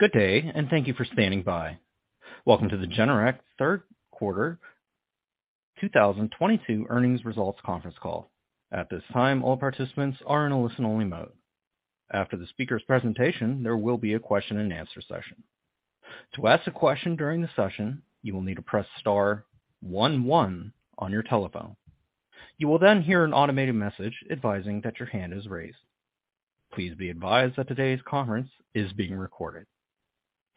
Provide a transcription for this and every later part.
Good day, and thank you for standing by. Welcome to the Generac Third Quarter 2022 Earnings Results Conference Call. At this time, all participants are in a listen-only mode. After the speaker's presentation, there will be a question-and-answer session. To ask a question during the session, you will need to press star one one on your telephone. You will then hear an automated message advising that your hand is raised. Please be advised that today's conference is being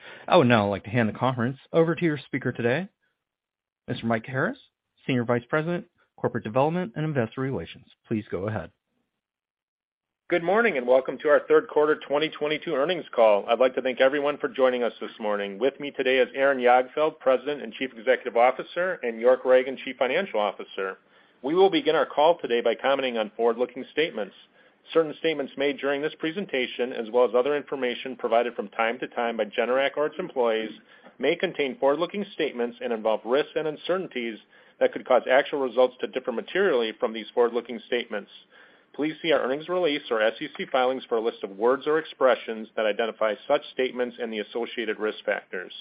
recorded. I would now like to hand the conference over to your speaker today, Mr. Mike Harris, Senior Vice President, Corporate Development, and Investor Relations. Please go ahead. Good morning, and welcome to our third quarter 2022 earnings call. I'd like to thank everyone for joining us this morning. With me today is Aaron Jagdfeld, President and Chief Executive Officer, and York Ragen, Chief Financial Officer. We will begin our call today by commenting on forward-looking statements. Certain statements made during this presentation, as well as other information provided from time to time by Generac or its employees, may contain forward-looking statements and involve risks and uncertainties that could cause actual results to differ materially from these forward-looking statements. Please see our earnings release or SEC filings for a list of words or expressions that identify such statements and the associated risk factors.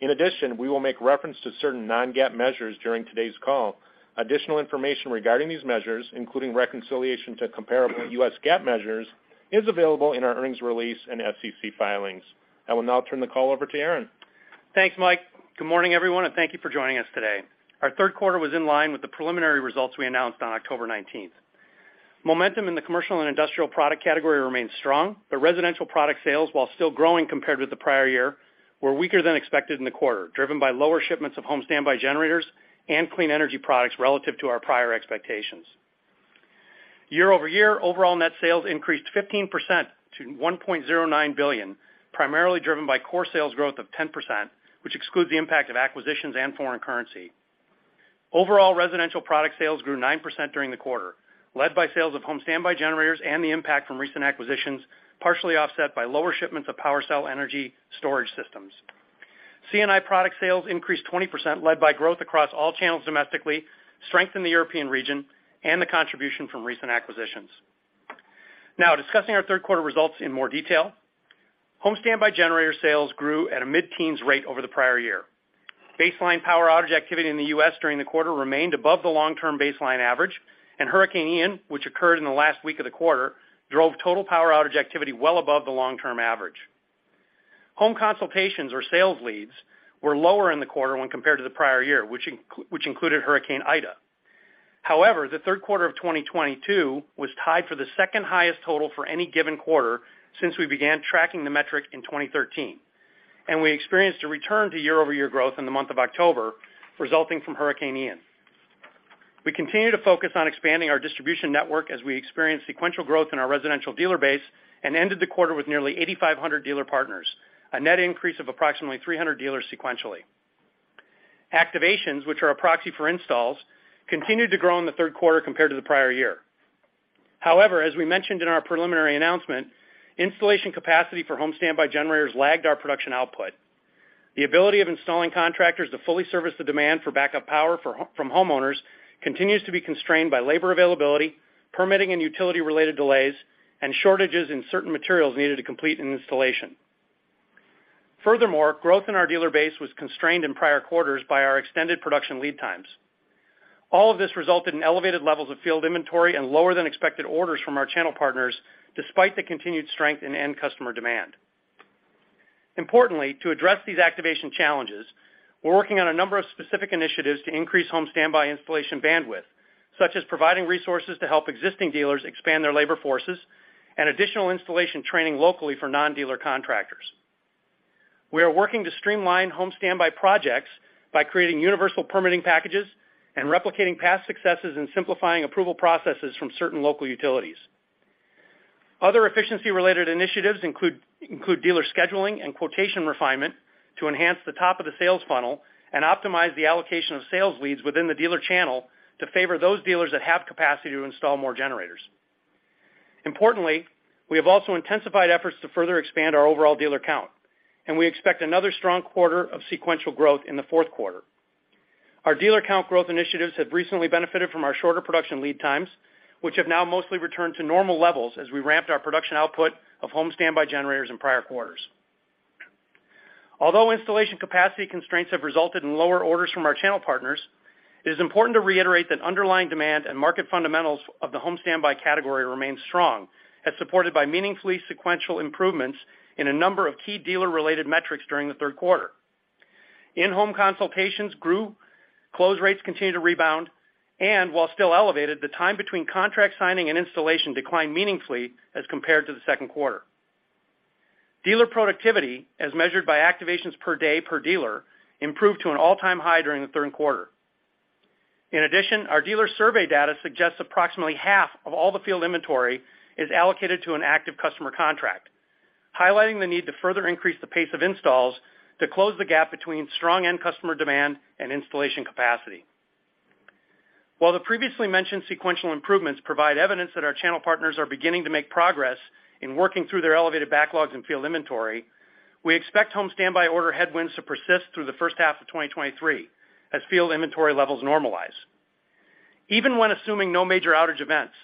In addition, we will make reference to certain non-GAAP measures during today's call. Additional information regarding these measures, including reconciliation to comparable U.S. GAAP measures, is available in our earnings release and SEC filings. I will now turn the call over to Aaron. Thanks, Mike. Good morning, everyone, and thank you for joining us today. Our third quarter was in line with the preliminary results we announced on October 19. Momentum in the commercial and industrial product category remains strong, but residential product sales, while still growing compared with the prior year, were weaker than expected in the quarter, driven by lower shipments of home standby generators and clean energy products relative to our prior expectations. Year-over-year, overall net sales increased 15% to $1.09 billion, primarily driven by core sales growth of 10%, which excludes the impact of acquisitions and foreign currency. Overall residential product sales grew 9% during the quarter, led by sales of home standby generators and the impact from recent acquisitions, partially offset by lower shipments of PWRcell energy storage systems. C&I product sales increased 20%, led by growth across all channels domestically, strength in the European region, and the contribution from recent acquisitions. Now discussing our third quarter results in more detail. Home standby generator sales grew at a mid-teens rate over the prior year. Baseline power outage activity in the U.S. during the quarter remained above the long-term baseline average, and Hurricane Ian, which occurred in the last week of the quarter, drove total power outage activity well above the long-term average. Home consultations or sales leads were lower in the quarter when compared to the prior year, which included Hurricane Ida. However, the third quarter of 2022 was tied for the second highest total for any given quarter since we began tracking the metric in 2013, and we experienced a return to year-over-year growth in the month of October, resulting from Hurricane Ian. We continue to focus on expanding our distribution network as we experience sequential growth in our residential dealer base and ended the quarter with nearly 8,500 dealer partners, a net increase of approximately 300 dealers sequentially. Activations, which are a proxy for installs, continued to grow in the third quarter compared to the prior year. However, as we mentioned in our preliminary announcement, installation capacity for home standby generators lagged our production output. The ability of installing contractors to fully service the demand for backup power from homeowners continues to be constrained by labor availability, permitting and utility-related delays, and shortages in certain materials needed to complete an installation. Furthermore, growth in our dealer base was constrained in prior quarters by our extended production lead times. All of this resulted in elevated levels of field inventory and lower than expected orders from our channel partners despite the continued strength in end customer demand. Importantly, to address these activation challenges, we're working on a number of specific initiatives to increase home standby installation bandwidth, such as providing resources to help existing dealers expand their labor forces and additional installation training locally for non-dealer contractors. We are working to streamline home standby projects by creating universal permitting packages and replicating past successes in simplifying approval processes from certain local utilities. Other efficiency-related initiatives include dealer scheduling and quotation refinement to enhance the top of the sales funnel and optimize the allocation of sales leads within the dealer channel to favor those dealers that have capacity to install more generators. Importantly, we have also intensified efforts to further expand our overall dealer count, and we expect another strong quarter of sequential growth in the fourth quarter. Our dealer count growth initiatives have recently benefited from our shorter production lead times, which have now mostly returned to normal levels as we ramped our production output of home standby generators in prior quarters. Although installation capacity constraints have resulted in lower orders from our channel partners, it is important to reiterate that underlying demand and market fundamentals of the home standby category remain strong, as supported by meaningfully sequential improvements in a number of key dealer-related metrics during the third quarter. In-home consultations grew, close rates continued to rebound, and while still elevated, the time between contract signing and installation declined meaningfully as compared to the second quarter. Dealer productivity, as measured by activations per day per dealer, improved to an all-time high during the third quarter. In addition, our dealer survey data suggests approximately half of all the field inventory is allocated to an active customer contract, highlighting the need to further increase the pace of installs to close the gap between strong end customer demand and installation capacity. While the previously mentioned sequential improvements provide evidence that our channel partners are beginning to make progress in working through their elevated backlogs in field inventory, we expect home standby order headwinds to persist through the first half of 2023 as field inventory levels normalize. Even when assuming no major outage events,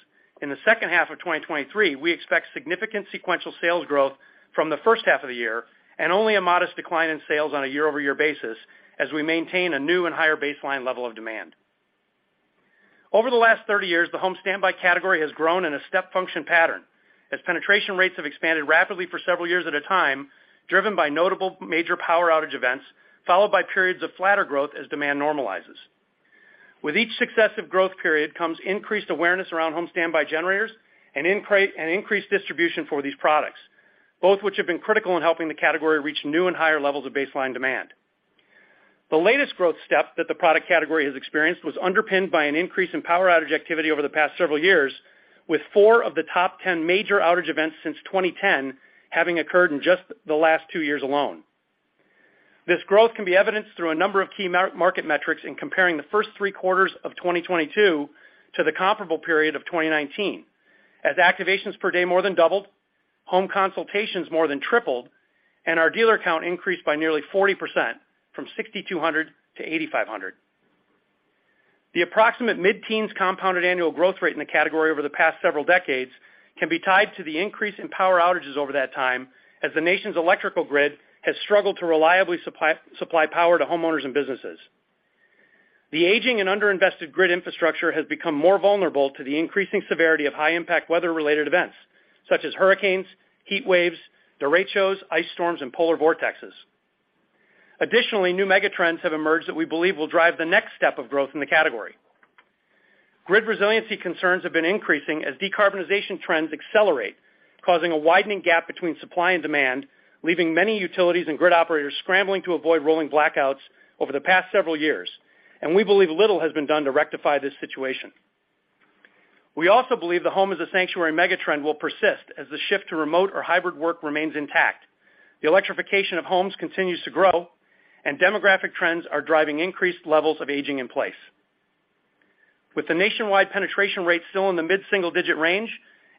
in the second half of 2023, we expect significant sequential sales growth from the first half of the year and only a modest decline in sales on a year-over-year basis as we maintain a new and higher baseline level of demand. Over the last 30 years, the home standby category has grown in a step function pattern as penetration rates have expanded rapidly for several years at a time, driven by notable major power outage events, followed by periods of flatter growth as demand normalizes. With each successive growth period comes increased awareness around home standby generators and increased distribution for these products, both which have been critical in helping the category reach new and higher levels of baseline demand. The latest growth step that the product category has experienced was underpinned by an increase in power outage activity over the past several years, with four of the top ten major outage events since 2010 having occurred in just the last two years alone. This growth can be evidenced through a number of key market metrics in comparing the first three quarters of 2022 to the comparable period of 2019. As activations per day more than doubled, home consultations more than tripled, and our dealer count increased by nearly 40% from 6,200-8,500. The approximate mid-teens compounded annual growth rate in the category over the past several decades can be tied to the increase in power outages over that time as the nation's electrical grid has struggled to reliably supply power to homeowners and businesses. The aging and under-invested grid infrastructure has become more vulnerable to the increasing severity of high impact weather related events, such as hurricanes, heat waves, derechos, ice storms, and polar vortexes. Additionally, new megatrends have emerged that we believe will drive the next step of growth in the category. Grid resiliency concerns have been increasing as decarbonization trends accelerate, causing a widening gap between supply and demand, leaving many utilities and grid operators scrambling to avoid rolling blackouts over the past several years, and we believe little has been done to rectify this situation. We also believe the home as a sanctuary megatrend will persist as the shift to remote or hybrid work remains intact. The electrification of homes continues to grow, and demographic trends are driving increased levels of aging in place. With the nationwide penetration rate still in the mid-single digit range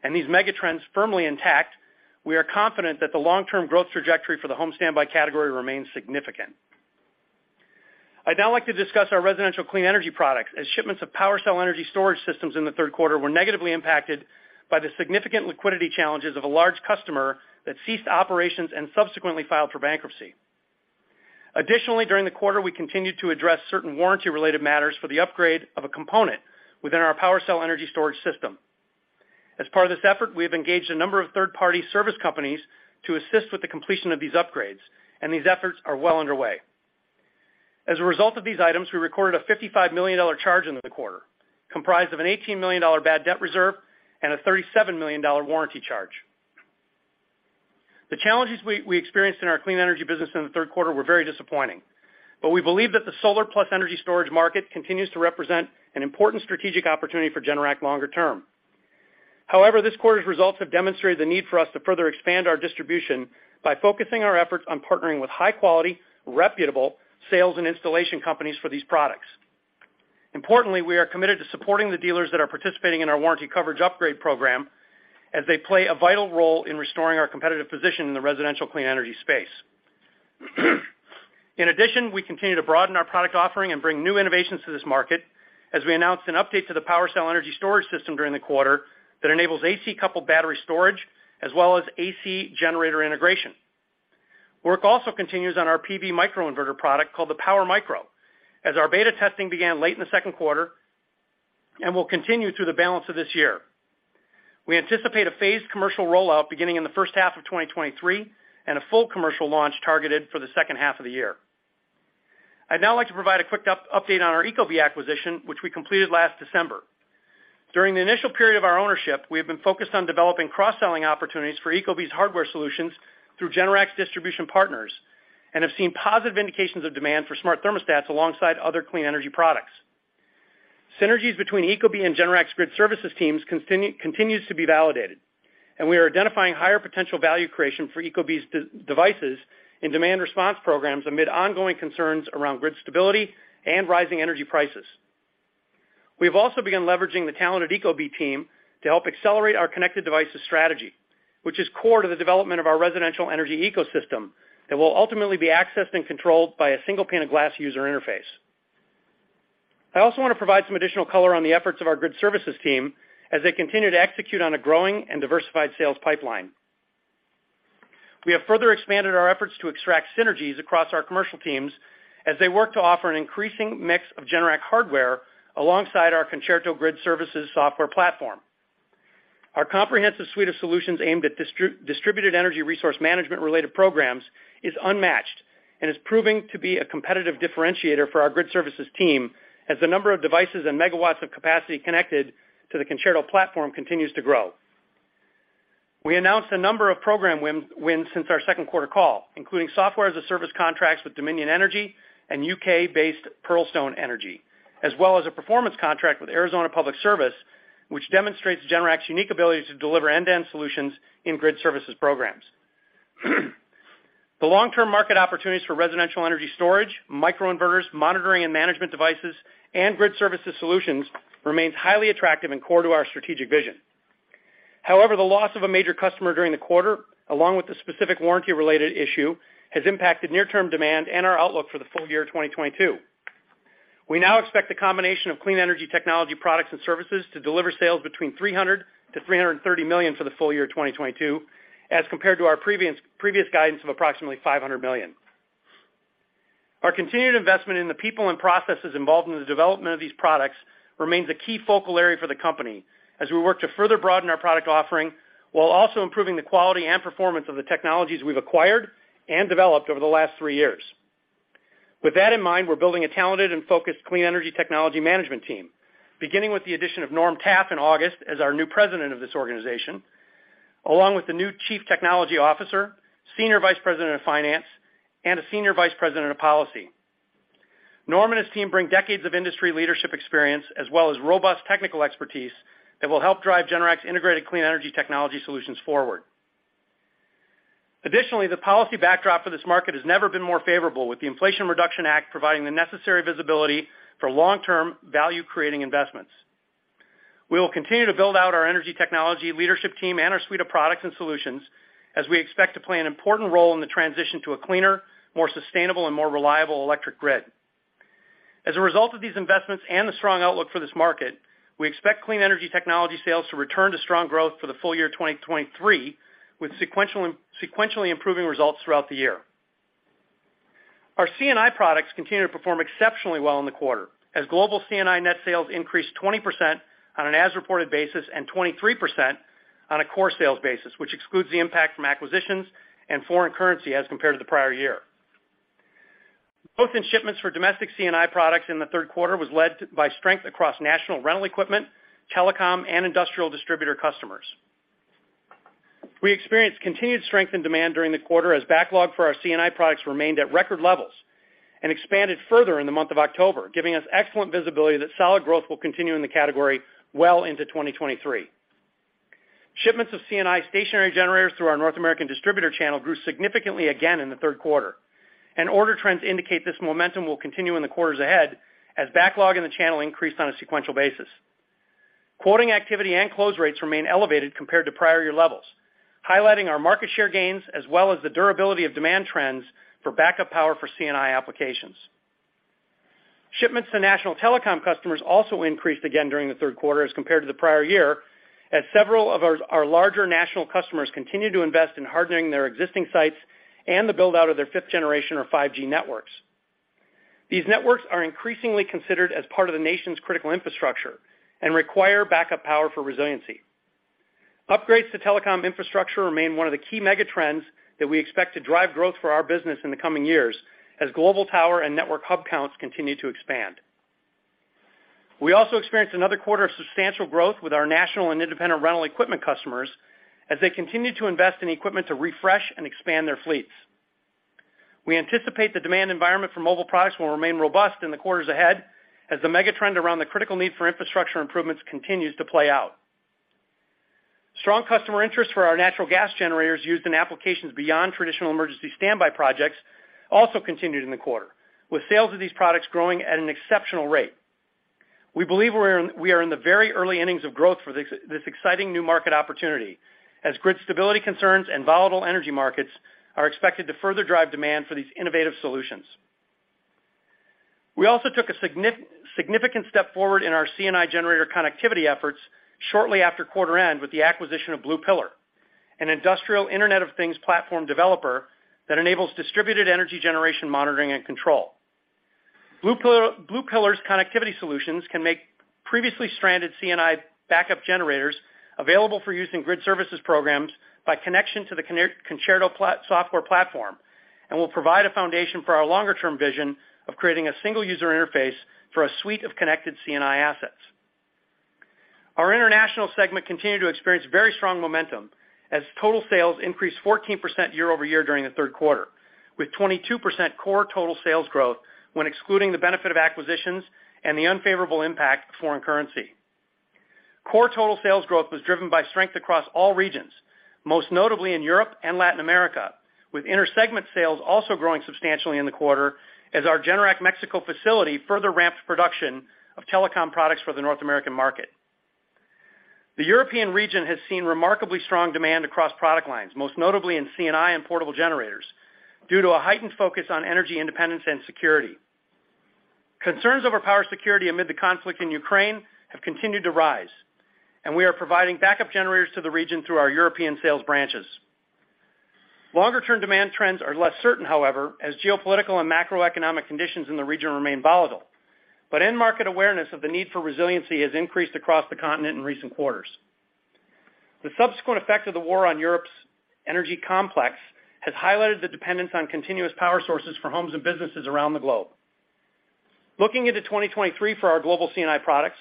and these megatrends firmly intact, we are confident that the long-term growth trajectory for the home standby category remains significant. I'd now like to discuss our residential clean energy products as shipments of PWRcell energy storage systems in the third quarter were negatively impacted by the significant liquidity challenges of a large customer that ceased operations and subsequently filed for bankruptcy. Additionally, during the quarter, we continued to address certain warranty-related matters for the upgrade of a component within our PWRcell energy storage system. As part of this effort, we have engaged a number of third-party service companies to assist with the completion of these upgrades, and these efforts are well underway. As a result of these items, we recorded a $55 million charge in the quarter, comprised of an $18 million bad debt reserve and a $37 million warranty charge. The challenges we experienced in our clean energy business in the third quarter were very disappointing, but we believe that the solar plus energy storage market continues to represent an important strategic opportunity for Generac longer term. However, this quarter's results have demonstrated the need for us to further expand our distribution by focusing our efforts on partnering with high-quality, reputable sales and installation companies for these products. Importantly, we are committed to supporting the dealers that are participating in our warranty coverage upgrade program as they play a vital role in restoring our competitive position in the residential clean energy space. In addition, we continue to broaden our product offering and bring new innovations to this market as we announced an update to the PWRcell energy storage system during the quarter that enables AC coupled battery storage as well as AC generator integration. Work also continues on our PV microinverter product called the PWRmicro, as our beta testing began late in the second quarter and will continue through the balance of this year. We anticipate a phased commercial rollout beginning in the first half of 2023 and a full commercial launch targeted for the second half of the year. I'd now like to provide a quick update on our ecobee acquisition, which we completed last December. During the initial period of our ownership, we have been focused on developing cross-selling opportunities for ecobee's hardware solutions through Generac's distribution partners and have seen positive indications of demand for smart thermostats alongside other clean energy products. Synergies between ecobee and Generac's grid services teams continues to be validated, and we are identifying higher potential value creation for ecobee's devices and demand response programs amid ongoing concerns around grid stability and rising energy prices. We've also begun leveraging the talented ecobee team to help accelerate our connected devices strategy, which is core to the development of our residential energy ecosystem that will ultimately be accessed and controlled by a single pane of glass user interface. I also want to provide some additional color on the efforts of our grid services team as they continue to execute on a growing and diversified sales pipeline. We have further expanded our efforts to extract synergies across our commercial teams as they work to offer an increasing mix of Generac hardware alongside our Concerto grid services software platform. Our comprehensive suite of solutions aimed at distributed energy resource management related programs is unmatched and is proving to be a competitive differentiator for our grid services team as the number of devices and megawatts of capacity connected to the Concerto platform continues to grow. We announced a number of program wins since our second quarter call, including software as a service contracts with Dominion Energy and UK-based Pearlstone Energy, as well as a performance contract with Arizona Public Service, which demonstrates Generac's unique ability to deliver end-to-end solutions in grid services programs. The long-term market opportunities for residential energy storage, microinverters, monitoring and management devices, and grid services solutions remains highly attractive and core to our strategic vision. However, the loss of a major customer during the quarter, along with the specific warranty-related issue, has impacted near-term demand and our outlook for the full year 2022. We now expect the combination of clean energy technology products and services to deliver sales between $300 million-$330 million for the full year 2022, as compared to our previous guidance of approximately $500 million. Our continued investment in the people and processes involved in the development of these products remains a key focal area for the company as we work to further broaden our product offering while also improving the quality and performance of the technologies we've acquired and developed over the last three years. With that in mind, we're building a talented and focused clean energy technology management team, beginning with the addition of Norman Taffe in August as our new President of this organization, along with the new chief technology officer, senior vice president of finance, and a senior vice president of policy. Norman Taffe and his team bring decades of industry leadership experience as well as robust technical expertise that will help drive Generac's integrated clean energy technology solutions forward. Additionally, the policy backdrop for this market has never been more favorable, with the Inflation Reduction Act providing the necessary visibility for long-term value-creating investments. We will continue to build out our energy technology leadership team and our suite of products and solutions as we expect to play an important role in the transition to a cleaner, more sustainable, and more reliable electric grid. As a result of these investments and the strong outlook for this market, we expect clean energy technology sales to return to strong growth for the full year 2023, with sequentially improving results throughout the year. Our C&I products continued to perform exceptionally well in the quarter, as global C&I net sales increased 20% on an as-reported basis and 23% on a core sales basis, which excludes the impact from acquisitions and foreign currency as compared to the prior year. Growth in shipments for domestic C&I products in the third quarter was led by strength across national rental equipment, telecom, and industrial distributor customers. We experienced continued strength in demand during the quarter as backlog for our C&I products remained at record levels and expanded further in the month of October, giving us excellent visibility that solid growth will continue in the category well into 2023. Shipments of C&I stationary generators through our North American distributor channel grew significantly again in the third quarter, and order trends indicate this momentum will continue in the quarters ahead as backlog in the channel increased on a sequential basis. Quoting activity and close rates remain elevated compared to prior year levels, highlighting our market share gains as well as the durability of demand trends for backup power for C&I applications. Shipments to national telecom customers also increased again during the third quarter as compared to the prior year, as several of our larger national customers continue to invest in hardening their existing sites and the build-out of their fifth generation or 5G networks. These networks are increasingly considered as part of the nation's critical infrastructure and require backup power for resiliency. Upgrades to telecom infrastructure remain one of the key mega trends that we expect to drive growth for our business in the coming years as global tower and network hub counts continue to expand. We also experienced another quarter of substantial growth with our national and independent rental equipment customers as they continue to invest in equipment to refresh and expand their fleets. We anticipate the demand environment for mobile products will remain robust in the quarters ahead as the mega trend around the critical need for infrastructure improvements continues to play out. Strong customer interest for our natural gas generators used in applications beyond traditional emergency standby projects also continued in the quarter, with sales of these products growing at an exceptional rate. We believe we are in the very early innings of growth for this exciting new market opportunity as grid stability concerns and volatile energy markets are expected to further drive demand for these innovative solutions. We also took a significant step forward in our C&I generator connectivity efforts shortly after quarter end with the acquisition of Blue Pillar, an industrial Internet of Things platform developer that enables distributed energy generation monitoring and control. Blue Pillar's connectivity solutions can make previously stranded C&I backup generators available for use in grid services programs by connection to the Concerto software platform and will provide a foundation for our longer-term vision of creating a single user interface for a suite of connected C&I assets. Our international segment continued to experience very strong momentum as total sales increased 14% year-over-year during the third quarter, with 22% core total sales growth when excluding the benefit of acquisitions and the unfavorable impact of foreign currency. Core total sales growth was driven by strength across all regions, most notably in Europe and Latin America, with intersegment sales also growing substantially in the quarter as our Generac Mexico facility further ramped production of telecom products for the North American market. The European region has seen remarkably strong demand across product lines, most notably in C&I and portable generators, due to a heightened focus on energy independence and security. Concerns over power security amid the conflict in Ukraine have continued to rise, and we are providing backup generators to the region through our European sales branches. Longer-term demand trends are less certain, however, as geopolitical and macroeconomic conditions in the region remain volatile. End-market awareness of the need for resiliency has increased across the continent in recent quarters. The subsequent effect of the war on Europe's energy complex has highlighted the dependence on continuous power sources for homes and businesses around the globe. Looking into 2023 for our global C&I products,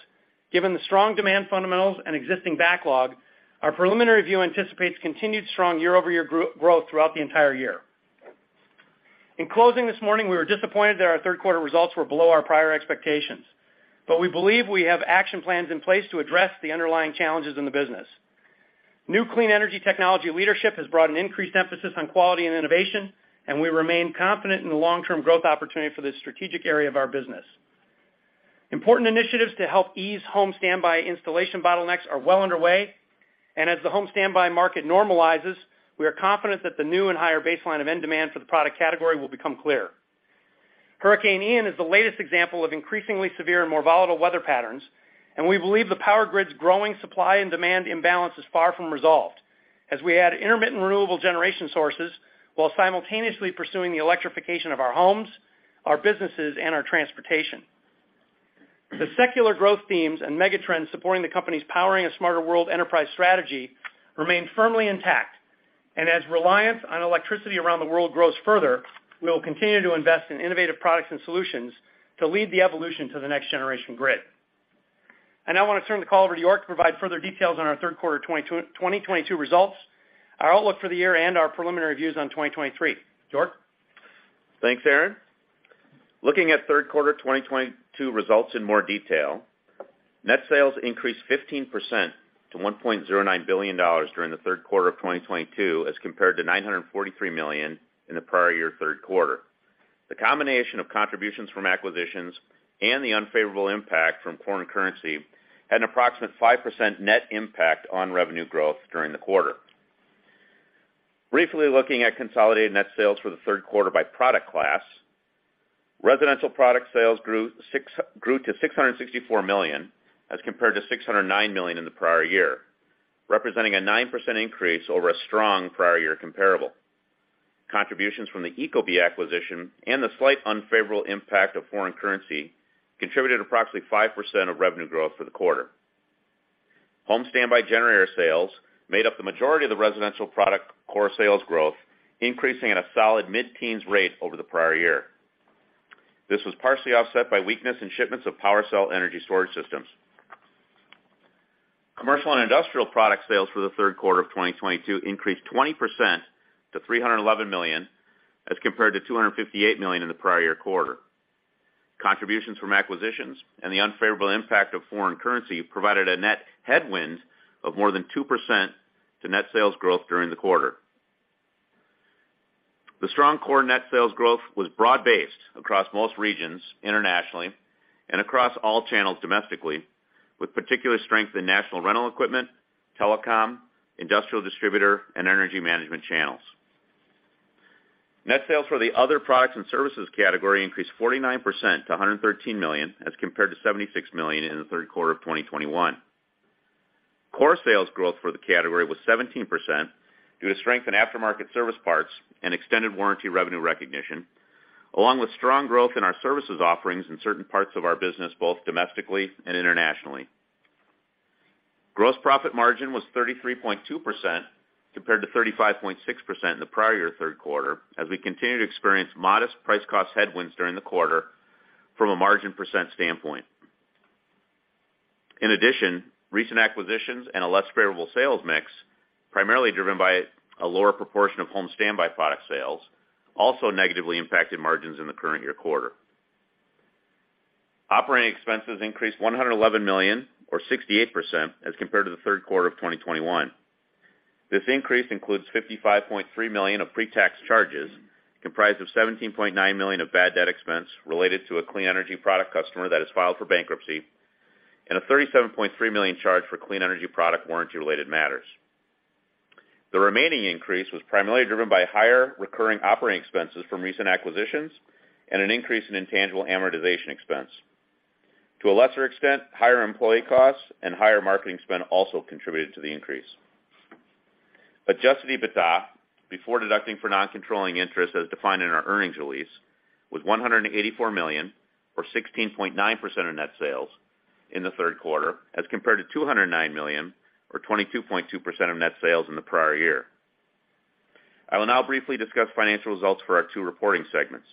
given the strong demand fundamentals and existing backlog, our preliminary view anticipates continued strong year-over-year growth throughout the entire year. In closing this morning, we are disappointed that our third quarter results were below our prior expectations, but we believe we have action plans in place to address the underlying challenges in the business. New clean energy technology leadership has brought an increased emphasis on quality and innovation, and we remain confident in the long-term growth opportunity for this strategic area of our business. Important initiatives to help ease home standby installation bottlenecks are well underway, and as the home standby market normalizes, we are confident that the new and higher baseline of end demand for the product category will become clear. Hurricane Ian is the latest example of increasingly severe and more volatile weather patterns, and we believe the power grid's growing supply and demand imbalance is far from resolved as we add intermittent renewable generation sources while simultaneously pursuing the electrification of our homes, our businesses, and our transportation. The secular growth themes and mega trends supporting the company's Powering a Smarter World enterprise strategy remain firmly intact. As reliance on electricity around the world grows further, we will continue to invest in innovative products and solutions to lead the evolution to the next generation grid. I now want to turn the call over to York to provide further details on our third quarter 2022 results, our outlook for the year, and our preliminary views on 2023. York? Thanks, Aaron. Looking at third quarter 2022 results in more detail. Net sales increased 15% to $1.09 billion during the third quarter of 2022, as compared to $943 million in the prior year third quarter. The combination of contributions from acquisitions and the unfavorable impact from foreign currency had an approximate 5% net impact on revenue growth during the quarter. Briefly looking at consolidated net sales for the third quarter by product class. Residential product sales grew to $664 million, as compared to $609 million in the prior year, representing a 9% increase over a strong prior year comparable. Contributions from the ecobee acquisition and the slight unfavorable impact of foreign currency contributed approximately 5% of revenue growth for the quarter. Home standby generator sales made up the majority of the residential product core sales growth, increasing at a solid mid-teens rate over the prior year. This was partially offset by weakness in shipments of PWRcell energy storage systems. Commercial and industrial product sales for the third quarter of 2022 increased 20% to $311 million, as compared to $258 million in the prior year quarter. Contributions from acquisitions and the unfavorable impact of foreign currency provided a net headwind of more than 2% to net sales growth during the quarter. The strong core net sales growth was broad-based across most regions internationally and across all channels domestically, with particular strength in national rental equipment, telecom, industrial distributor, and energy management channels. Net sales for the other products and services category increased 49% to $113 million, as compared to $76 million in the third quarter of 2021. Core sales growth for the category was 17% due to strength in aftermarket service parts and extended warranty revenue recognition, along with strong growth in our services offerings in certain parts of our business, both domestically and internationally. Gross profit margin was 33.2%, compared to 35.6% in the prior year third quarter, as we continue to experience modest price cost headwinds during the quarter from a margin percent standpoint. In addition, recent acquisitions and a less favorable sales mix, primarily driven by a lower proportion of home standby product sales, also negatively impacted margins in the current year quarter. Operating expenses increased $111 million or 68% as compared to the third quarter of 2021. This increase includes $55.3 million of pre-tax charges, comprised of $17.9 million of bad debt expense related to a clean energy product customer that has filed for bankruptcy, and a $37.3 million charge for clean energy product warranty-related matters. The remaining increase was primarily driven by higher recurring operating expenses from recent acquisitions and an increase in intangible amortization expense. To a lesser extent, higher employee costs and higher marketing spend also contributed to the increase. Adjusted EBITDA, before deducting for non-controlling interest, as defined in our earnings release, was $184 million or 16.9% of net sales in the third quarter, as compared to $209 million or 22.2% of net sales in the prior year. I will now briefly discuss financial results for our two reporting segments.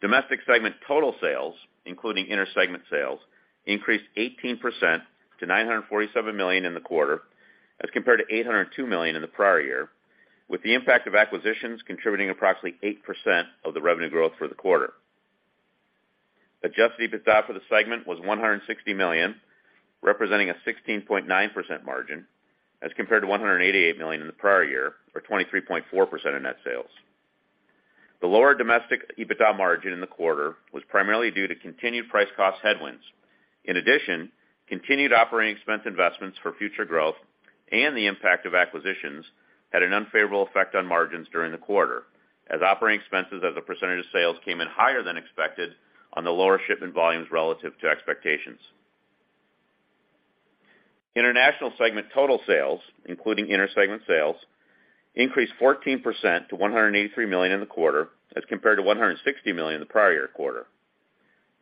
Domestic segment total sales, including inter-segment sales, increased 18% to $947 million in the quarter, as compared to $802 million in the prior year, with the impact of acquisitions contributing approximately 8% of the revenue growth for the quarter. Adjusted EBITDA for the segment was $160 million, representing a 16.9% margin, as compared to $188 million in the prior year, or 23.4% of net sales. The lower domestic EBITDA margin in the quarter was primarily due to continued price cost headwinds. In addition, continued operating expense investments for future growth and the impact of acquisitions had an unfavorable effect on margins during the quarter, as operating expenses as a percentage of sales came in higher than expected on the lower shipment volumes relative to expectations. International segment total sales, including inter-segment sales, increased 14% to $183 million in the quarter, as compared to $160 million in the prior year quarter.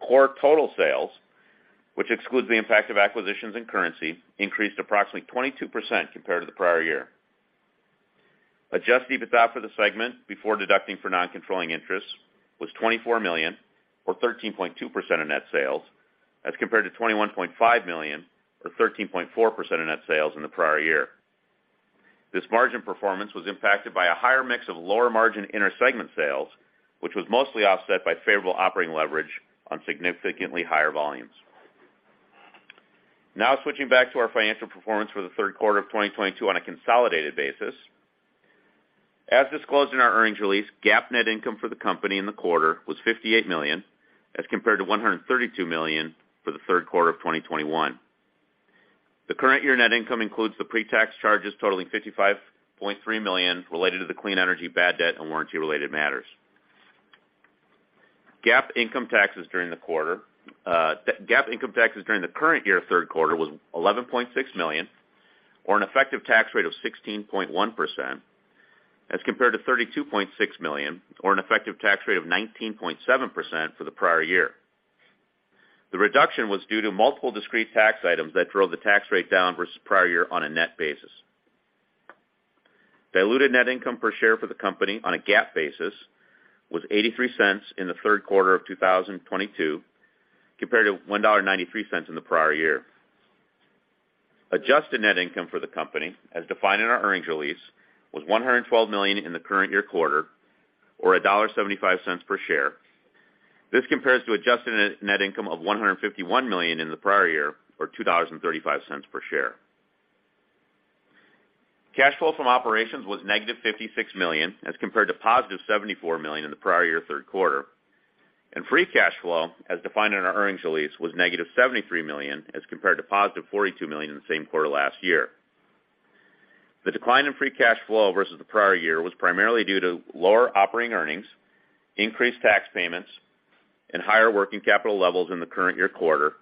Core total sales, which excludes the impact of acquisitions and currency, increased approximately 22% compared to the prior year. Adjusted EBITDA for the segment before deducting for non-controlling interests was $24 million or 13.2% of net sales, as compared to $21.5 million or 13.4% of net sales in the prior year. This margin performance was impacted by a higher mix of lower margin inter-segment sales, which was mostly offset by favorable operating leverage on significantly higher volumes. Now switching back to our financial performance for the third quarter of 2022 on a consolidated basis. As disclosed in our earnings release, GAAP net income for the company in the quarter was $58 million, as compared to $132 million for the third quarter of 2021. The current year net income includes the pre-tax charges totaling $55.3 million related to the clean energy bad debt and warranty-related matters. GAAP income taxes during the quarter. GAAP income taxes during the current year third quarter was $11.6 million or an effective tax rate of 16.1%, as compared to $32.6 million or an effective tax rate of 19.7% for the prior year. The reduction was due to multiple discrete tax items that drove the tax rate down versus prior year on a net basis. Diluted net income per share for the company on a GAAP basis was $0.83 in the third quarter of 2022 compared to $1.93 in the prior year. Adjusted net income for the company, as defined in our earnings release, was $112 million in the current year quarter or $1.75 per share. This compares to adjusted net income of $151 million in the prior year or $2.35 per share. Cash flow from operations was -$56 million as compared to +$74 million in the prior year third quarter. Free cash flow, as defined in our earnings release, was -$73 million as compared to +$42 million in the same quarter last year. The decline in free cash flow versus the prior year was primarily due to lower operating earnings, increased tax payments, and higher working capital levels in the current year quarter,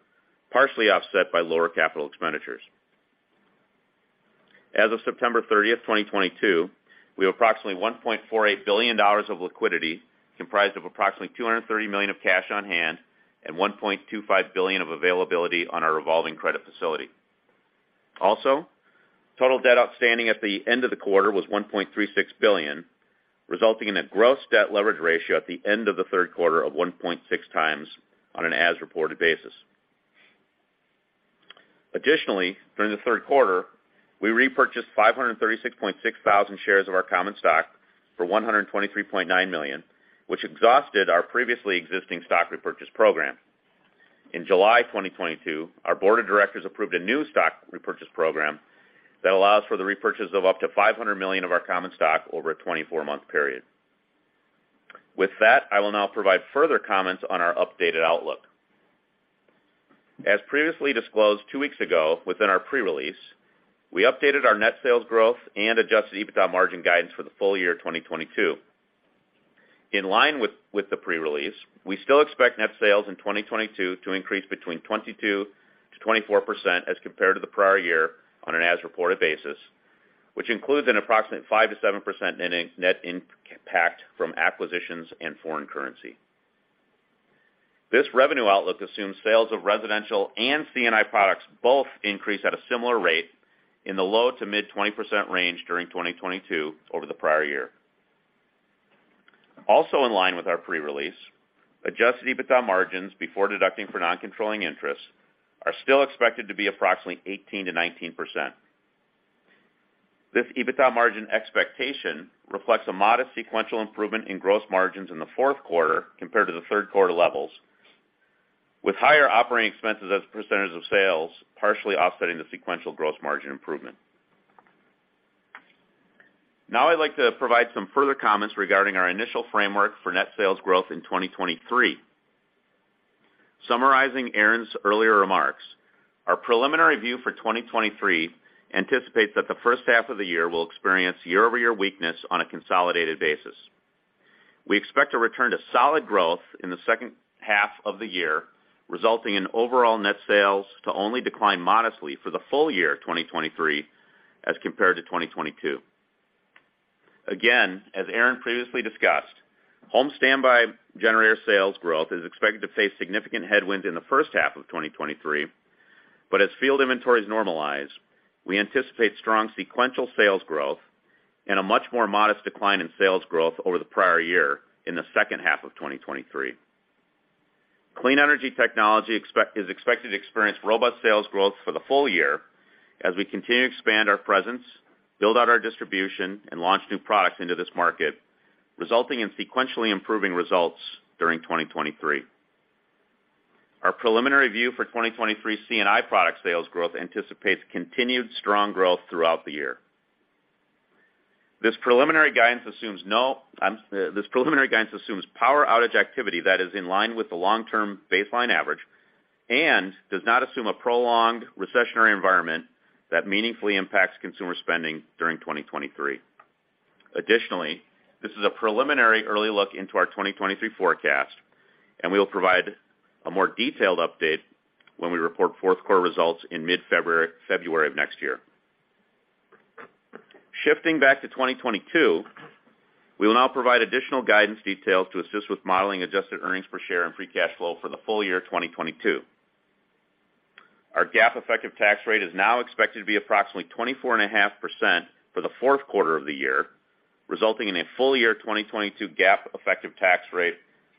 partially offset by lower capital expenditures. As of September 30, 2022, we have approximately $1.48 billion of liquidity, comprised of approximately $230 million of cash on hand and $1.25 billion of availability on our revolving credit facility. Also, total debt outstanding at the end of the quarter was $1.36 billion, resulting in a gross debt leverage ratio at the end of the third quarter of 1.6 times on an as-reported basis. Additionally, during the third quarter, we repurchased 536.6 thousand shares of our common stock for $123.9 million, which exhausted our previously existing stock repurchase program. In July 2022, our board of directors approved a new stock repurchase program that allows for the repurchase of up to $500 million of our common stock over a 24-month period. With that, I will now provide further comments on our updated outlook. As previously disclosed two weeks ago within our pre-release, we updated our net sales growth and adjusted EBITDA margin guidance for the full year 2022. In line with the pre-release, we still expect net sales in 2022 to increase between 22%-24% as compared to the prior year on an as-reported basis, which includes an approximate 5%-7% net impact from acquisitions and foreign currency. This revenue outlook assumes sales of residential and C&I products both increase at a similar rate in the low-to-mid-20% range during 2022 over the prior year. Also in line with our pre-release, adjusted EBITDA margins before deducting for non-controlling interests are still expected to be approximately 18%-19%. This EBITDA margin expectation reflects a modest sequential improvement in gross margins in the fourth quarter compared to the third quarter levels, with higher operating expenses as a percentage of sales partially offsetting the sequential gross margin improvement. Now I'd like to provide some further comments regarding our initial framework for net sales growth in 2023. Summarizing Aaron's earlier remarks, our preliminary view for 2023 anticipates that the first half of the year will experience year-over-year weakness on a consolidated basis. We expect to return to solid growth in the second half of the year, resulting in overall net sales to only decline modestly for the full year 2023 as compared to 2022. Again, as Aaron previously discussed, home standby generator sales growth is expected to face significant headwinds in the first half of 2023. As field inventories normalize, we anticipate strong sequential sales growth and a much more modest decline in sales growth over the prior year in the second half of 2023. Clean energy technology is expected to experience robust sales growth for the full year as we continue to expand our presence, build out our distribution, and launch new products into this market, resulting in sequentially improving results during 2023. Our preliminary view for 2023 C&I product sales growth anticipates continued strong growth throughout the year. This preliminary guidance assumes power outage activity that is in line with the long-term baseline average and does not assume a prolonged recessionary environment that meaningfully impacts consumer spending during 2023. Additionally, this is a preliminary early look into our 2023 forecast, and we will provide a more detailed update when we report fourth quarter results in mid-February, February of next year. Shifting back to 2022, we will now provide additional guidance details to assist with modeling adjusted earnings per share and free cash flow for the full year 2022. Our GAAP effective tax rate is now expected to be approximately 24.5% for the fourth quarter of the year, resulting in a full year 2022 GAAP effective tax rate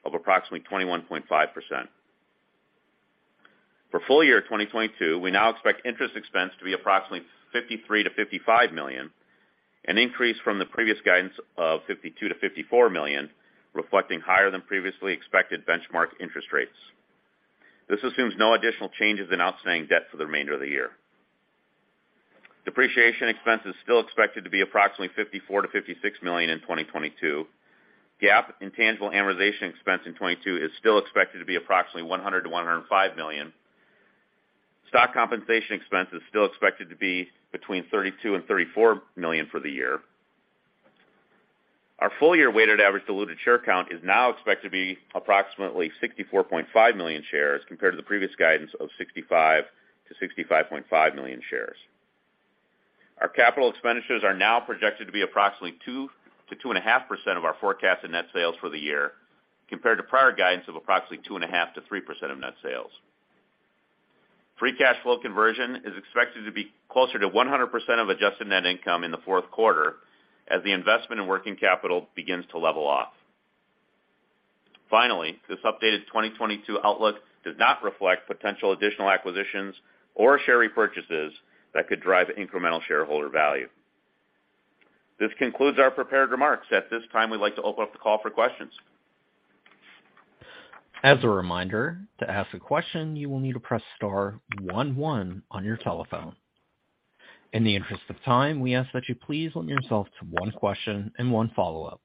of approximately 21.5%. For full year 2022, we now expect interest expense to be approximately $53 million-$55 million. An increase from the previous guidance of $52 million-$54 million, reflecting higher than previously expected benchmark interest rates. This assumes no additional changes in outstanding debt for the remainder of the year. Depreciation expense is still expected to be approximately $54 million-$56 million in 2022. GAAP intangible amortization expense in 2022 is still expected to be approximately $100 million-$105 million. Stock compensation expense is still expected to be between $32 million-$34 million for the year. Our full-year weighted average diluted share count is now expected to be approximately 64.5 million shares compared to the previous guidance of 65 million -65.5 million shares. Our capital expenditures are now projected to be approximately 2%-2.5% of our forecasted net sales for the year, compared to prior guidance of approximately 2.5%-3% of net sales. Free cash flow conversion is expected to be closer to 100% of adjusted net income in the fourth quarter as the investment in working capital begins to level off. Finally, this updated 2022 outlook does not reflect potential additional acquisitions or share repurchases that could drive incremental shareholder value. This concludes our prepared remarks. At this time, we'd like to open up the call for questions. As a reminder, to ask a question, you will need to press star one one on your telephone. In the interest of time, we ask that you please limit yourself to one question and one follow-up.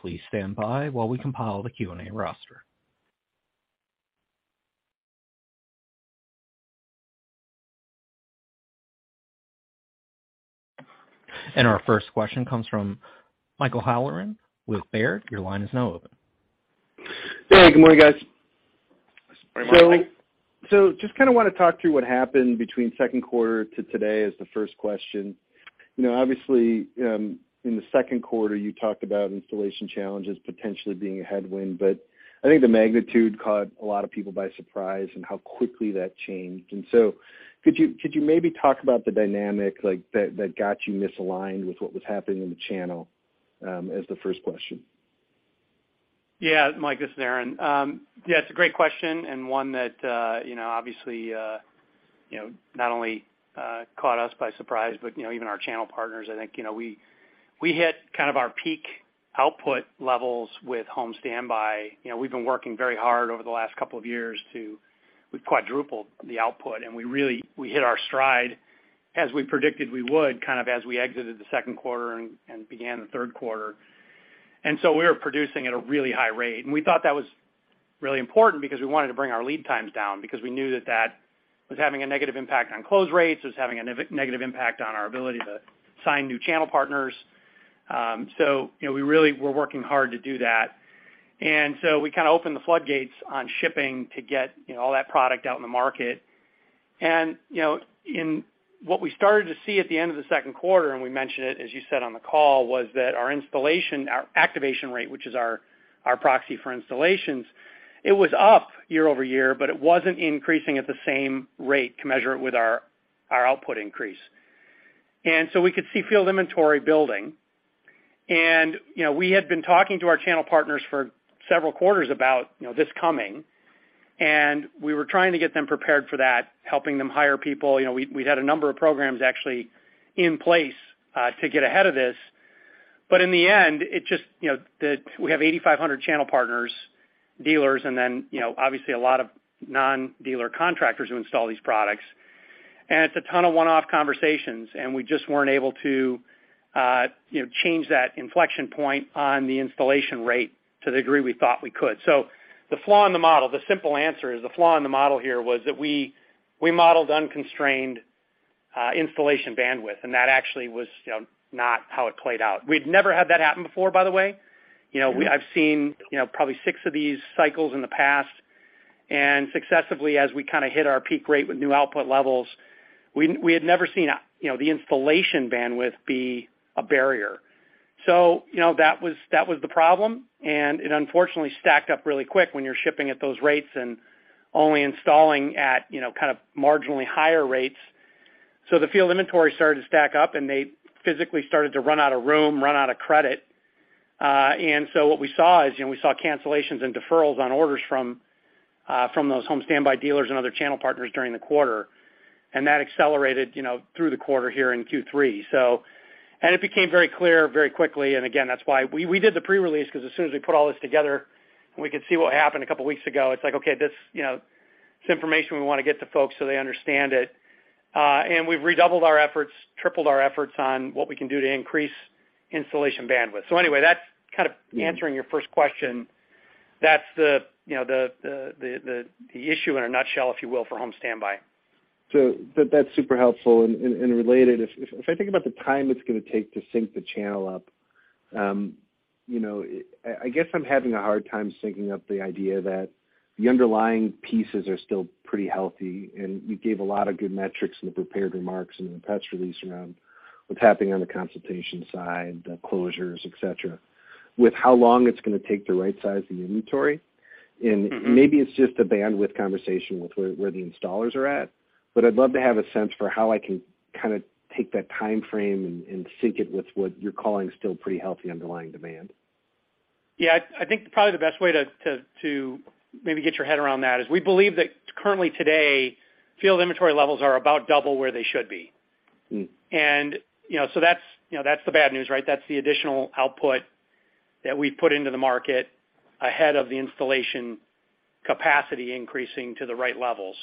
Please stand by while we compile the Q&A roster. Our first question comes from Michael Halloran with Baird. Your line is now open. Hey, good morning, guys. Good morning, Mike. Just kind of want to talk through what happened between second quarter to today as the first question. You know, obviously, in the second quarter, you talked about installation challenges potentially being a headwind, but I think the magnitude caught a lot of people by surprise in how quickly that changed. Could you maybe talk about the dynamic like that that got you misaligned with what was happening in the channel as the first question? Yeah. Mike, this is Aaron. Yeah, it's a great question and one that, you know, obviously, you know, not only caught us by surprise, but, you know, even our channel partners. I think, you know, we hit kind of our peak output levels with home standby. You know, we've been working very hard over the last couple of years. We've quadrupled the output, and we really hit our stride as we predicted we would, kind of as we exited the second quarter and began the third quarter. We were producing at a really high rate. We thought that was really important because we wanted to bring our lead times down because we knew that that was having a negative impact on close rates. It was having a negative impact on our ability to sign new channel partners. You know, we really were working hard to do that. We kind of opened the floodgates on shipping to get, you know, all that product out in the market. You know, what we started to see at the end of the second quarter, and we mentioned it, as you said on the call, was that our installation, our activation rate, which is our proxy for installations, it was up year over year, but it wasn't increasing at the same rate to measure it with our output increase. We could see field inventory building. You know, we had been talking to our channel partners for several quarters about, you know, this coming, and we were trying to get them prepared for that, helping them hire people. You know, we'd had a number of programs actually in place to get ahead of this. In the end, it just, you know, we have 8,500 channel partners, dealers, and then, you know, obviously a lot of non-dealer contractors who install these products. It's a ton of one-off conversations, and we just weren't able to, you know, change that inflection point on the installation rate to the degree we thought we could. The flaw in the model, the simple answer is the flaw in the model here was that we modeled unconstrained installation bandwidth, and that actually was, you know, not how it played out. We'd never had that happen before, by the way. You know, I've seen, you know, probably six of these cycles in the past, and successively, as we kind of hit our peak rate with new output levels, we had never seen, you know, the installation bandwidth be a barrier. You know, that was the problem. It unfortunately stacked up really quick when you're shipping at those rates and only installing at, you know, kind of marginally higher rates. The field inventory started to stack up, and they physically started to run out of room, run out of credit. What we saw is, you know, we saw cancellations and deferrals on orders from those Home Standby dealers and other channel partners during the quarter. That accelerated, you know, through the quarter here in Q3. It became very clear very quickly. Again, that's why we did the pre-release 'cause as soon as we put all this together and we could see what happened a couple weeks ago, it's like, okay, this, you know, this is information we wanna get to folks so they understand it. We've redoubled our efforts, tripled our efforts on what we can do to increase installation bandwidth. Anyway, that's kind of answering your first question. That's the, you know, the issue in a nutshell, if you will, for home standby. That's super helpful. Related, if I think about the time it's gonna take to sync the channel up, you know, I guess I'm having a hard time syncing up the idea that the underlying pieces are still pretty healthy, and you gave a lot of good metrics in the prepared remarks and in the press release around what's happening on the installation side, the closures, et cetera, with how long it's gonna take to right-size the inventory. Maybe it's just a bandwidth conversation with where the installers are at. I'd love to have a sense for how I can kind of take that timeframe and sync it with what you're calling still pretty healthy underlying demand. Yeah, I think probably the best way to maybe get your head around that is we believe that currently today, field inventory levels are about double where they should be. Mm. You know, so that's, you know, that's the bad news, right? That's the additional output that we put into the market ahead of the installation capacity increasing to the right levels.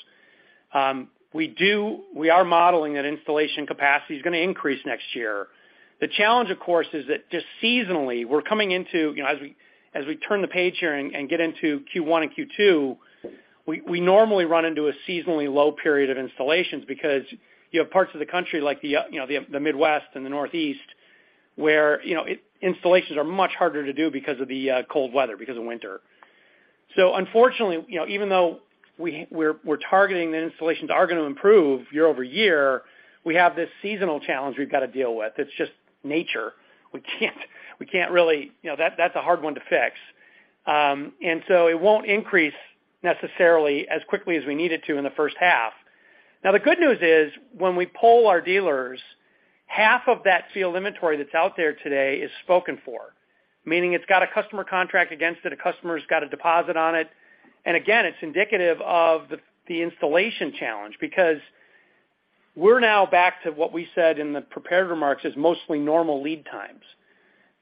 We are modeling that installation capacity is gonna increase next year. The challenge, of course, is that just seasonally, we're coming into, you know, as we turn the page here and get into Q1 and Q2, we normally run into a seasonally low period of installations because you have parts of the country like the Midwest and the Northeast, where, you know, installations are much harder to do because of the cold weather, because of winter. Unfortunately, you know, even though we're targeting the installations are gonna improve year-over-year, we have this seasonal challenge we've got to deal with. It's just nature. We can't really. You know, that's a hard one to fix. It won't increase necessarily as quickly as we need it to in the first half. Now, the good news is, when we poll our dealers, half of that field inventory that's out there today is spoken for, meaning it's got a customer contract against it, a customer's got a deposit on it. Again, it's indicative of the installation challenge because we're now back to what we said in the prepared remarks as mostly normal lead times.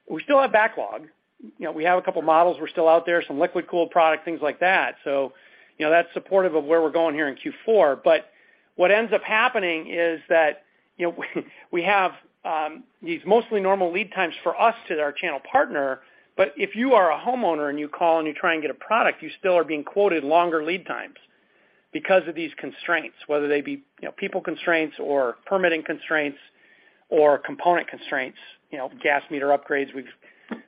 We still have backlog. You know, we have a couple of models. We're still out there, some liquid cooled product, things like that. You know, that's supportive of where we're going here in Q4. What ends up happening is that, you know, we have these mostly normal lead times for us to our channel partner. If you are a homeowner and you call and you try and get a product, you still are being quoted longer lead times because of these constraints, whether they be, you know, people constraints or permitting constraints or component constraints, you know, gas meter upgrades.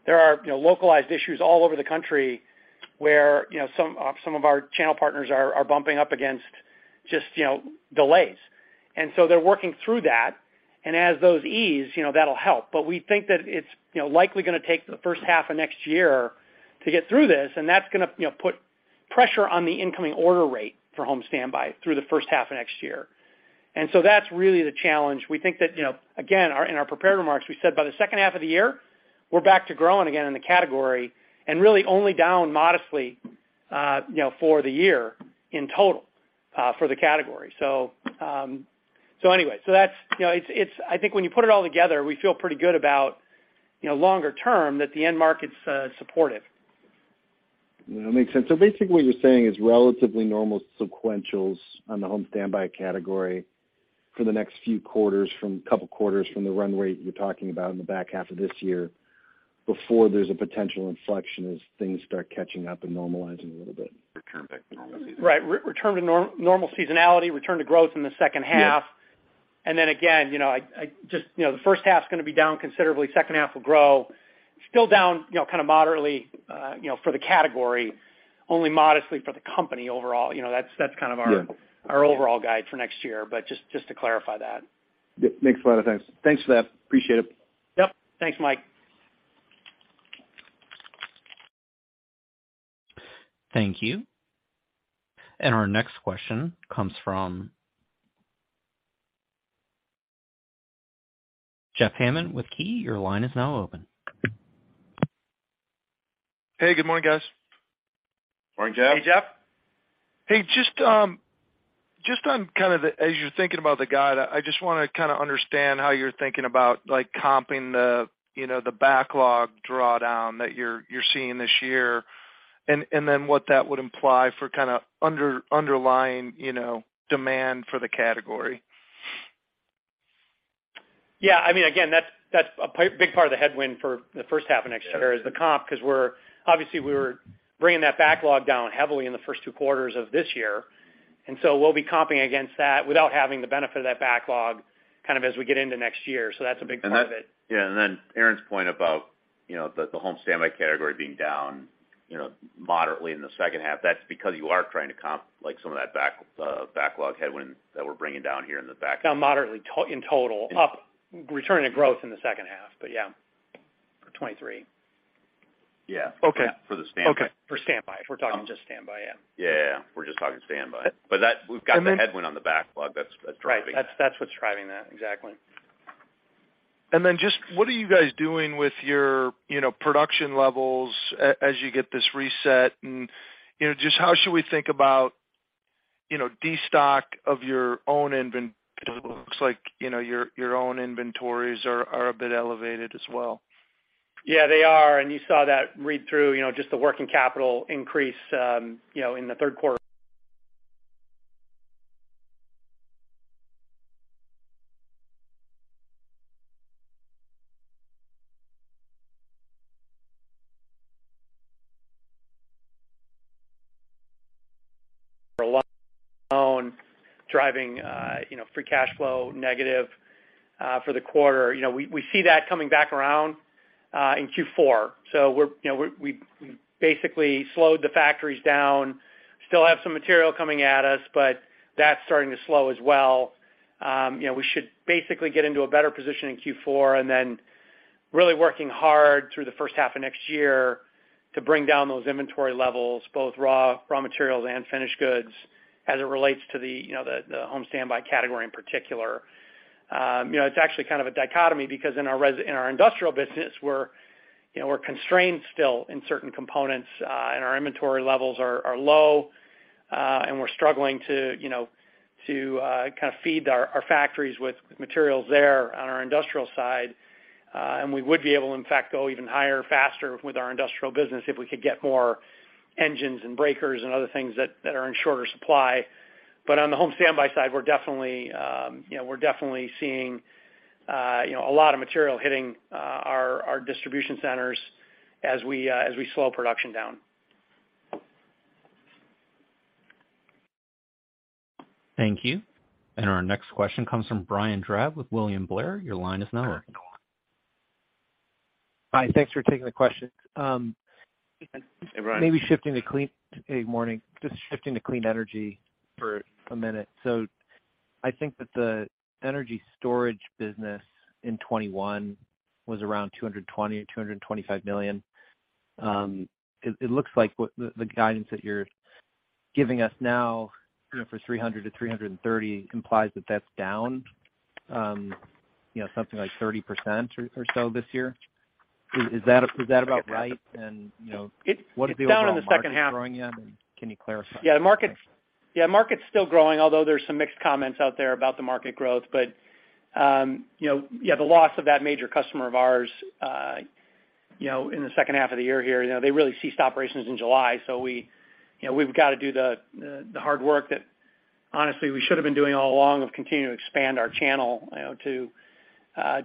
There are, you know, localized issues all over the country where, you know, some of our channel partners are bumping up against just, you know, delays. So they're working through that. As those ease, you know, that'll help. We think that it's, you know, likely gonna take the first half of next year to get through this, and that's gonna, you know, put pressure on the incoming order rate for home standby through the first half of next year. That's really the challenge. We think that, you know, again, in our prepared remarks, we said by the second half of the year, we're back to growing again in the category and really only down modestly, you know, for the year in total, for the category. Anyway, that's, you know, it's I think when you put it all together, we feel pretty good about, you know, longer term that the end market's supportive. That makes sense. Basically what you're saying is relatively normal sequentials on the home standby category for the next few quarters from couple quarters from the runway you're talking about in the back half of this year before there's a potential inflection as things start catching up and normalizing a little bit. Return back to normalcy. Right. Return to normal seasonality, return to growth in the second half. Yeah. You know, I just, you know, the first half is gonna be down considerably. Second half will grow. Still down, you know, kind of moderately, you know, for the category, only modestly for the company overall. You know, that's kind of our- Yeah. Our overall guide for next year. Just to clarify that. Yep. Makes a lot of sense. Thanks for that. Appreciate it. Yep. Thanks, Mike. Thank you. Our next question comes from Jeff Hammond with Key. Your line is now open. Hey, good morning, guys. Morning, Jeff. Hey, Jeff. Hey, just on kind of as you're thinking about the guide, I just wanna kinda understand how you're thinking about, like, comping the, you know, the backlog drawdown that you're seeing this year and then what that would imply for kinda underlying, you know, demand for the category. Yeah, I mean, again, that's a big part of the headwind for the first half of next year is the comp, 'cause obviously we were bringing that backlog down heavily in the first two quarters of this year, and so we'll be comping against that without having the benefit of that backlog kind of as we get into next year. That's a big part of it. Aaron's point about, you know, the home standby category being down, you know, moderately in the second half, that's because you are trying to comp, like, some of that backlog headwind that we're bringing down here in the back. Down moderately in total. Up returning to growth in the second half. Yeah, for 2023. Yeah. Okay. For the standby. Okay. For standby. If we're talking just standby, yeah. Yeah. We're just talking standby. That, we've got the headwind on the backlog that's driving that. Right. That's what's driving that. Exactly. Just what are you guys doing with your, you know, production levels as you get this reset? You know, just how should we think about, you know, destock of your own inventory? It looks like, you know, your own inventories are a bit elevated as well. Yeah, they are. You saw that read through, you know, just the working capital increase, you know, in the third quarter. Alone driving, you know, free cash flow negative, for the quarter. You know, we see that coming back around, in Q4. We're, you know, we basically slowed the factories down. Still have some material coming at us, but that's starting to slow as well. You know, we should basically get into a better position in Q4 and then really working hard through the first half of next year to bring down those inventory levels, both raw materials and finished goods as it relates to the, you know, the home standby category in particular. You know, it's actually kind of a dichotomy because in our industrial business, we're constrained still in certain components, and our inventory levels are low. We're struggling to kind of feed our factories with materials there on our industrial side. We would be able to in fact go even higher, faster with our industrial business if we could get more engines and breakers and other things that are in shorter supply. On the home standby side, we're definitely seeing a lot of material hitting our distribution centers as we slow production down. Thank you. Our next question comes from Brian Drab with William Blair. Your line is now open. Hi. Thanks for taking the questions. Hey, Brian. Hey, morning. Just shifting to clean energy for a minute. I think that the energy storage business in 2021 was around $225 million. It looks like what the guidance that you're giving us now, you know, for $300 million-$330 million implies that that's down, you know, something like 30% or so this year. Is that about right? You know. It's down on the second half. What are the overall markets growing in? Can you clarify? Yeah. The market's still growing, although there are some mixed comments out there about the market growth. You know, the loss of that major customer of ours in the second half of the year here, you know, they really ceased operations in July, so we, you know, we've got to do the hard work that honestly we should have been doing all along of continuing to expand our channel, you know,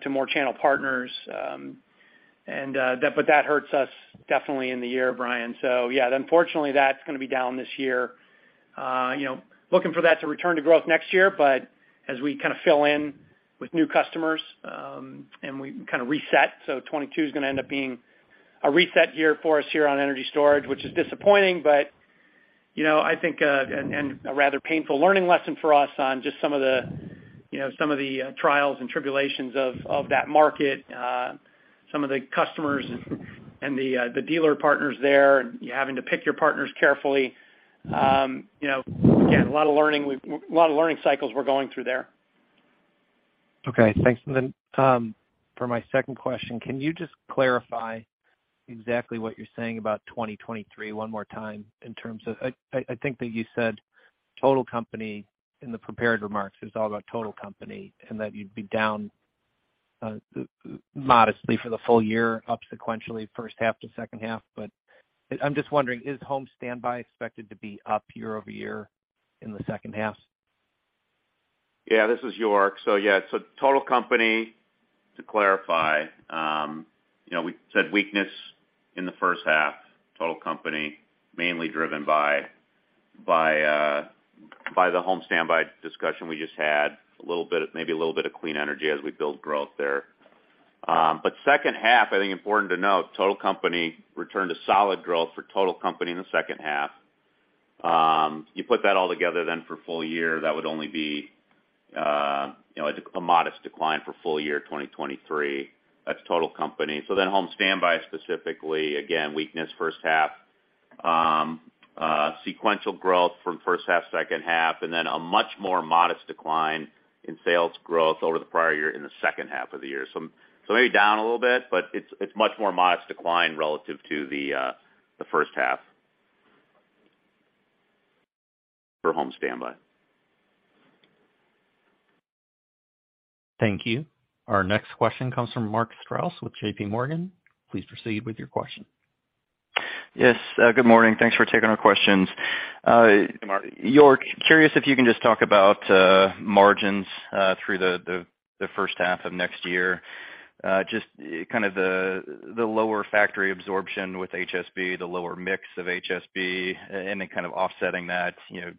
to more channel partners. That hurts us definitely in the year, Brian. Yeah, unfortunately, that's gonna be down this year. You know, looking for that to return to growth next year, but as we kind of fill in with new customers, and we kind of reset, so 2022 is gonna end up being a reset year for us here on energy storage, which is disappointing, but, you know, I think, and a rather painful learning lesson for us on just some of the, you know, some of the trials and tribulations of that market. Some of the customers and the dealer partners there, and you're having to pick your partners carefully. You know, again, a lot of learning cycles we're going through there. Okay. Thanks. For my second question, can you just clarify exactly what you're saying about 2023 one more time in terms of, I think that you said total company in the prepared remarks is all about total company, and that you'd be down modestly for the full year, up sequentially first half to second half. I'm just wondering, is home standby expected to be up year-over-year in the second half? This is York. Total company, to clarify, you know, we said weakness in the first half, total company mainly driven by the home standby discussion we just had. Maybe a little bit of clean energy as we build growth there. Second half, I think important to note, total company return to solid growth for total company in the second half. You put that all together for full year, that would only be, you know, a modest decline for full year 2023. That's total company. Home standby specifically, again, weakness first half. Sequential growth from first half, second half, and then a much more modest decline in sales growth over the prior year in the second half of the year. Maybe down a little bit, but it's much more modest decline relative to the first half for home standby. Thank you. Our next question comes from Mark Strouse with JPMorgan. Please proceed with your question. Yes. Good morning. Thanks for taking our questions. Hey, Mark. York, curious if you can just talk about margins through the first half of next year. Just kind of the lower factory absorption with HSB, the lower mix of HSB, and then kind of offsetting that, you know,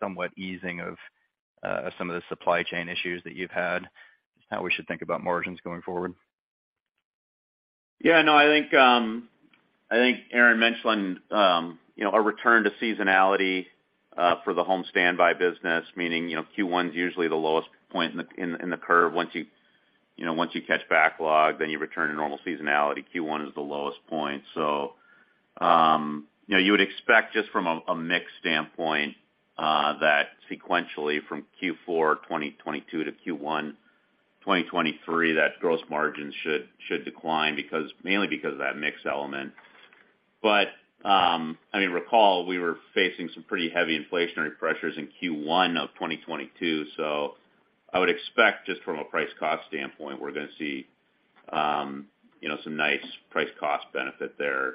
somewhat easing of some of the supply chain issues that you've had. Just how we should think about margins going forward. Yeah, no. I think Aaron mentioned you know, a return to seasonality for the home standby business, meaning you know, Q1 is usually the lowest point in the curve. Once you catch backlog, then you return to normal seasonality. Q1 is the lowest point. You know, you would expect just from a mix standpoint that sequentially from Q4 2022 to Q1 2023, that gross margin should decline mainly because of that mix element. I mean, recall, we were facing some pretty heavy inflationary pressures in Q1 of 2022. I would expect just from a price cost standpoint, we're gonna see you know, some nice price cost benefit there.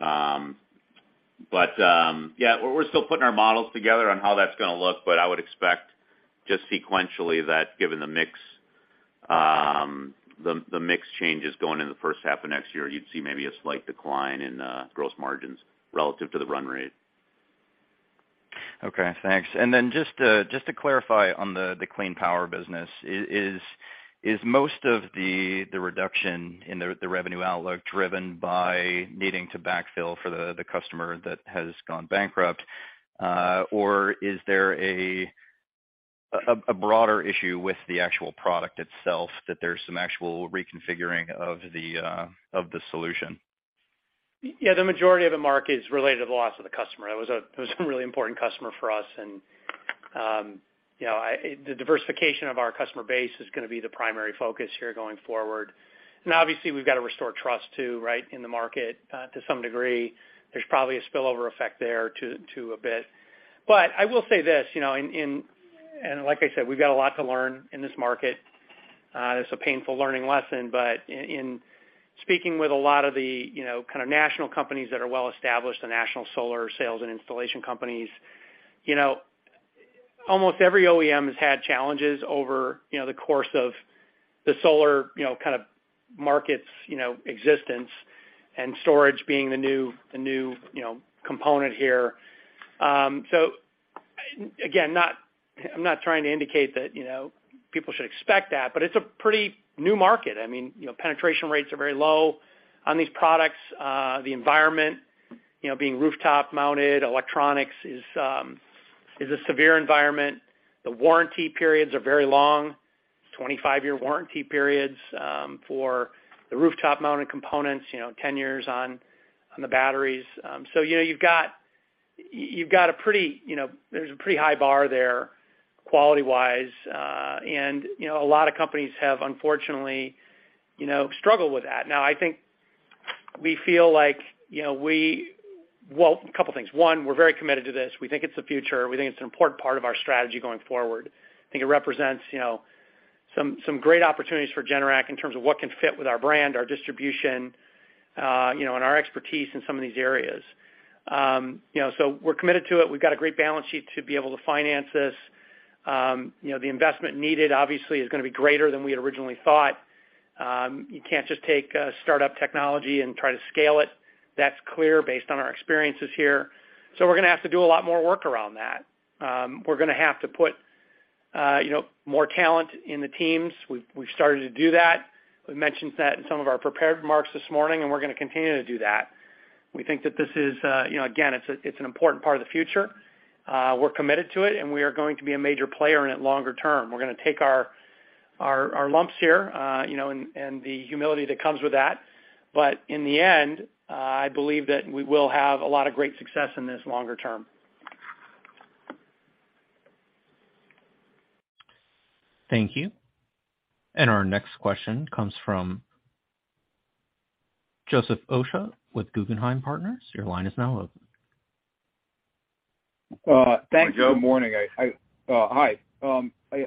Yeah, we're still putting our models together on how that's gonna look, but I would expect just sequentially that given the mix, the mix changes going into the first half of next year, you'd see maybe a slight decline in gross margins relative to the run rate. Okay, thanks. Then just to clarify on the clean energy business. Is most of the reduction in the revenue outlook driven by needing to backfill for the customer that has gone bankrupt? Or is there a broader issue with the actual product itself that there's some actual reconfiguring of the solution? Yeah, the majority of the market is related to the loss of the customer. That was a really important customer for us and, you know, the diversification of our customer base is gonna be the primary focus here going forward. Obviously, we've got to restore trust too, right, in the market, to some degree. There's probably a spillover effect there too, a bit. I will say this, you know, like I said, we've got a lot to learn in this market. It's a painful learning lesson, but in speaking with a lot of the, you know, kind of national companies that are well established, the national solar sales and installation companies, you know, almost every OEM has had challenges over, you know, the course of the solar, you know, kind of markets, you know, existence and storage being the new, you know, component here. So again, I'm not trying to indicate that, you know, people should expect that, but it's a pretty new market. I mean, you know, penetration rates are very low on these products. The environment, you know, being rooftop-mounted electronics is a severe environment. The warranty periods are very long, 25-year warranty periods, for the rooftop-mounted components, you know, 10 years on the batteries. You know, you've got a pretty high bar there quality-wise, and a lot of companies have unfortunately struggled with that. Now, I think we feel like, you know, well, a couple things. One, we're very committed to this. We think it's the future. We think it's an important part of our strategy going forward. I think it represents some great opportunities for Generac in terms of what can fit with our brand, our distribution, and our expertise in some of these areas. You know, so we're committed to it. We've got a great balance sheet to be able to finance this. You know, the investment needed obviously is gonna be greater than we had originally thought. You can't just take a startup technology and try to scale it. That's clear based on our experiences here. We're gonna have to do a lot more work around that. We're gonna have to put you know, more talent in the teams. We've started to do that. We've mentioned that in some of our prepared remarks this morning, and we're gonna continue to do that. We think that this is, you know, again, it's an important part of the future. We're committed to it, and we are going to be a major player in it longer term. We're gonna take our lumps here, you know, and the humility that comes with that. In the end, I believe that we will have a lot of great success in this longer term. Thank you. Our next question comes from Joseph Osha with Guggenheim Partners. Your line is now open. Thank you. Good morning. Hi.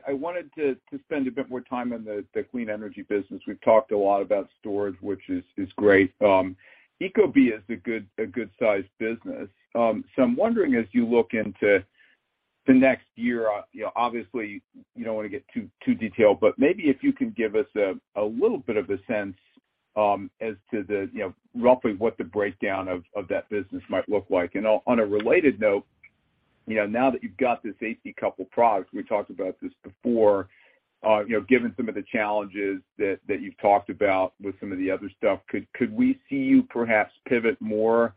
I wanted to spend a bit more time on the clean energy business. We've talked a lot about storage, which is great, ecobee is a good size business. So I'm wondering, as you look into the next year, you know, obviously you don't wanna get too detailed, but maybe if you can give us a little bit of a sense as to you know, roughly what the breakdown of that business might look like. On a related note, you know, now that you've got this AC coupled product, we talked about this before, you know, given some of the challenges that you've talked about with some of the other stuff, could we see you perhaps pivot more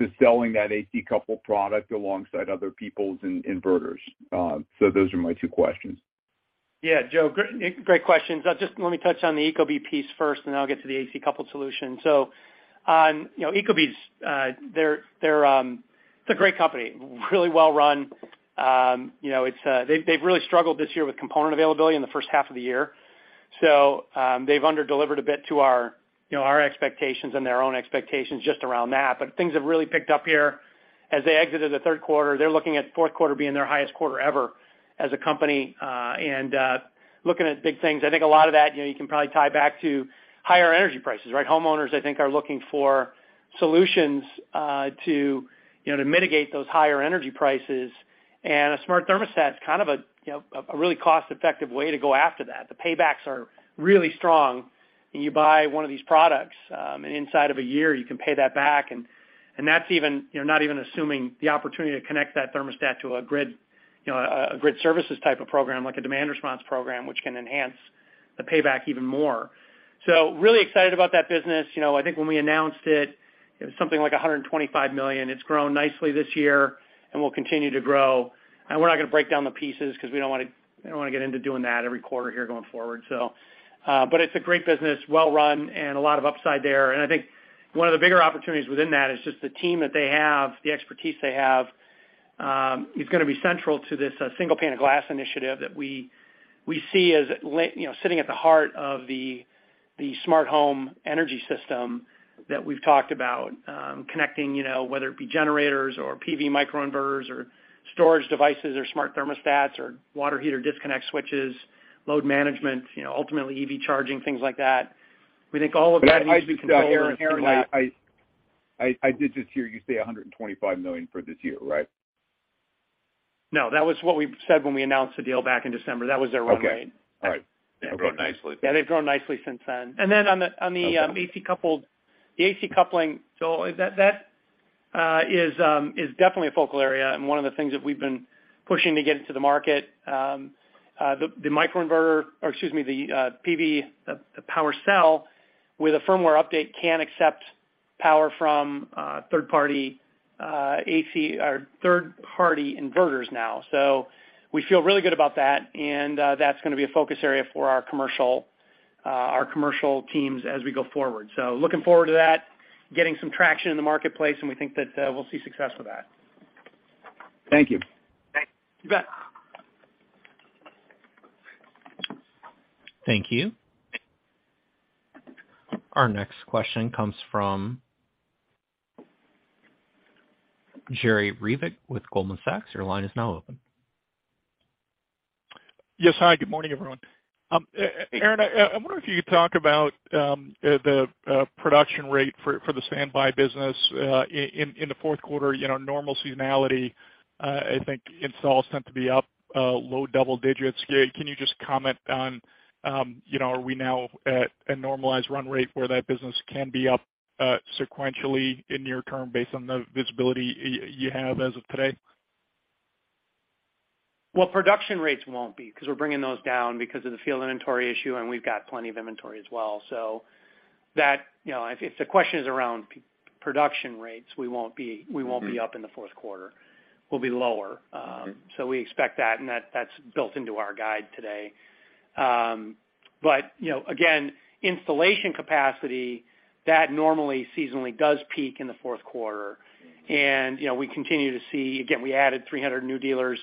to selling that AC coupled product alongside other people's inverters? So those are my two questions. Yeah. Joe, great questions. Let me touch on the ecobee piece first, and then I'll get to the AC coupled solution. On ecobee, you know, ecobee's. They're. It's a great company, really well run. You know, it's. They've really struggled this year with component availability in the first half of the year. They've under-delivered a bit to our, you know, our expectations and their own expectations just around that. Things have really picked up here. As they exited the third quarter, they're looking at fourth quarter being their highest quarter ever as a company, and looking at big things. I think a lot of that, you know, you can probably tie back to higher energy prices, right? Homeowners, I think, are looking for solutions to, you know, to mitigate those higher energy prices. A smart thermostat is kind of a, you know, a really cost-effective way to go after that. The paybacks are really strong, and you buy one of these products, and inside of a year you can pay that back, and that's even, you know, not even assuming the opportunity to connect that thermostat to a grid, you know, a grid services type of program, like a demand response program, which can enhance the payback even more. Really excited about that business. You know, I think when we announced it was something like $125 million. It's grown nicely this year and will continue to grow. We're not gonna break down the pieces 'cause we don't wanna get into doing that every quarter here going forward so. It's a great business, well run, and a lot of upside there. I think one of the bigger opportunities within that is just the team that they have, the expertise they have, is gonna be central to this single pane of glass initiative that we see as you know, sitting at the heart of the smart home energy system that we've talked about, connecting, you know, whether it be generators or PV microinverters or storage devices or smart thermostats or water heater disconnect switches, load management, you know, ultimately EV charging, things like that. We think all of that needs to be controlled and streamlined. I just did just hear you say $125 million for this year, right? No, that was what we said when we announced the deal back in December. That was their run rate. Okay. All right. Okay. They've grown nicely. Yeah, they've grown nicely since then. Then on the AC coupling, so that is definitely a focal area and one of the things that we've been pushing to get into the market. The microinverter or excuse me, the PV, the PWRcell with a firmware update can accept power from third-party inverters now. We feel really good about that, and that's gonna be a focus area for our commercial teams as we go forward. Looking forward to that, getting some traction in the marketplace, and we think that we'll see success with that. Thank you. Thanks. You bet. Thank you. Our next question comes from Jerry Revich with Goldman Sachs. Your line is now open. Yes. Hi, good morning, everyone. Aaron, I wonder if you could talk about the production rate for the standby business in the fourth quarter. You know, normal seasonality, I think installs tend to be up low double digits. Can you just comment on, you know, are we now at a normalized run rate where that business can be up sequentially in near term based on the visibility you have as of today? Well, production rates won't be, 'cause we're bringing those down because of the field inventory issue, and we've got plenty of inventory as well. That, you know, if the question is around production rates, we won't be up in the fourth quarter. We'll be lower. Okay. We expect that that's built into our guidance today. You know, again, installation capacity that normally seasonally does peak in the fourth quarter. You know, we continue to see again. We added 300 new dealers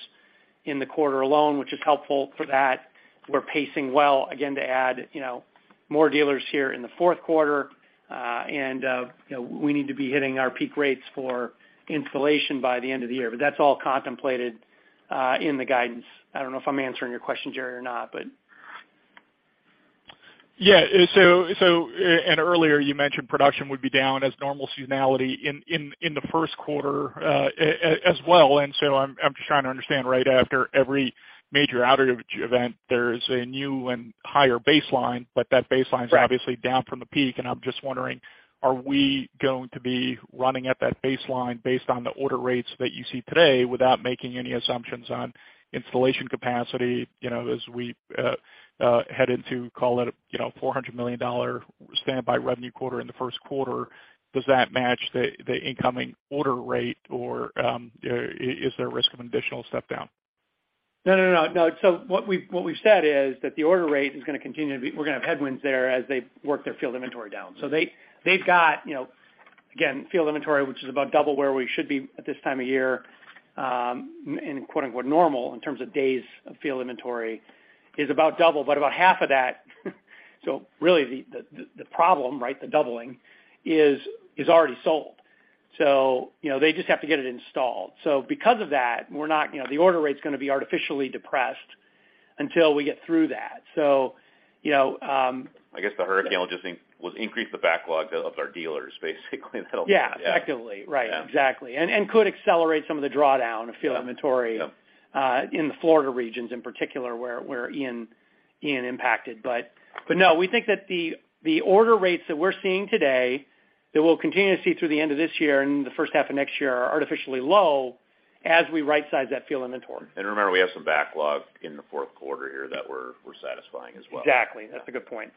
in the quarter alone, which is helpful for that. We're pacing well again to add, you know, more dealers here in the fourth quarter. You know, we need to be hitting our peak rates for installation by the end of the year. That's all contemplated in the guidance. I don't know if I'm answering your question, Jerry, or not. Earlier you mentioned production would be down as normal seasonality in the first quarter as well. I'm just trying to understand, right after every major outage event, there's a new and higher baseline, but that baseline's- Right. Obviously down from the peak. I'm just wondering, are we going to be running at that baseline based on the order rates that you see today without making any assumptions on installation capacity, you know, as we head into, call it, you know, $400 million standby revenue quarter in the first quarter, does that match the incoming order rate, or is there a risk of an additional step down? No, no. No. What we've said is that the order rate is gonna continue to be. We're gonna have headwinds there as they work their field inventory down. They've got, you know, again, field inventory, which is about double where we should be at this time of year, in quote, unquote, "normal" in terms of days of field inventory, is about double. But about half of that. Really the problem, right, the doubling is already sold. You know, they just have to get it installed. Because of that, we're not, you know, the order rate's gonna be artificially depressed until we get through that. You know. I guess the hurricane will just increase the backlog of our dealers basically until. Yeah, effectively. Yeah. Right. Yeah. Exactly. Could accelerate some of the drawdown of field inventory. Yeah, yeah. In the Florida regions in particular, where Ian impacted. No, we think that the order rates that we're seeing today that we'll continue to see through the end of this year and the first half of next year are artificially low as we right size that field inventory. Remember, we have some backlog in the fourth quarter here that we're satisfying as well. Exactly. That's a good point.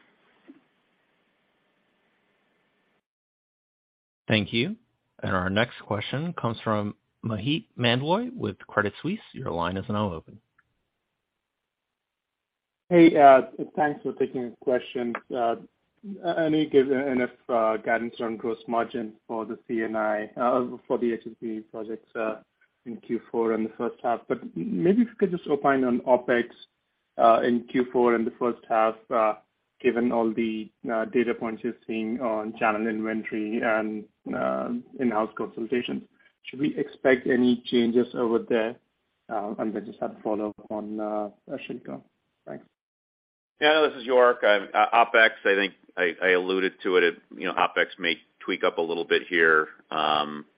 Thank you. Our next question comes from Maheep Mandloi with Credit Suisse. Your line is now open. Hey, thanks for taking the question. Any guidance on gross margin for the C&I for the HSB projects in Q4 and the first half, but maybe if you could just opine on OpEx in Q4 and the first half, given all the data points you're seeing on channel inventory and in-house consultations. Should we expect any changes over there? I just have a follow-up on Concerto. Thanks. Yeah, this is York. OpEx, I think I alluded to it. You know, OpEx may tweak up a little bit here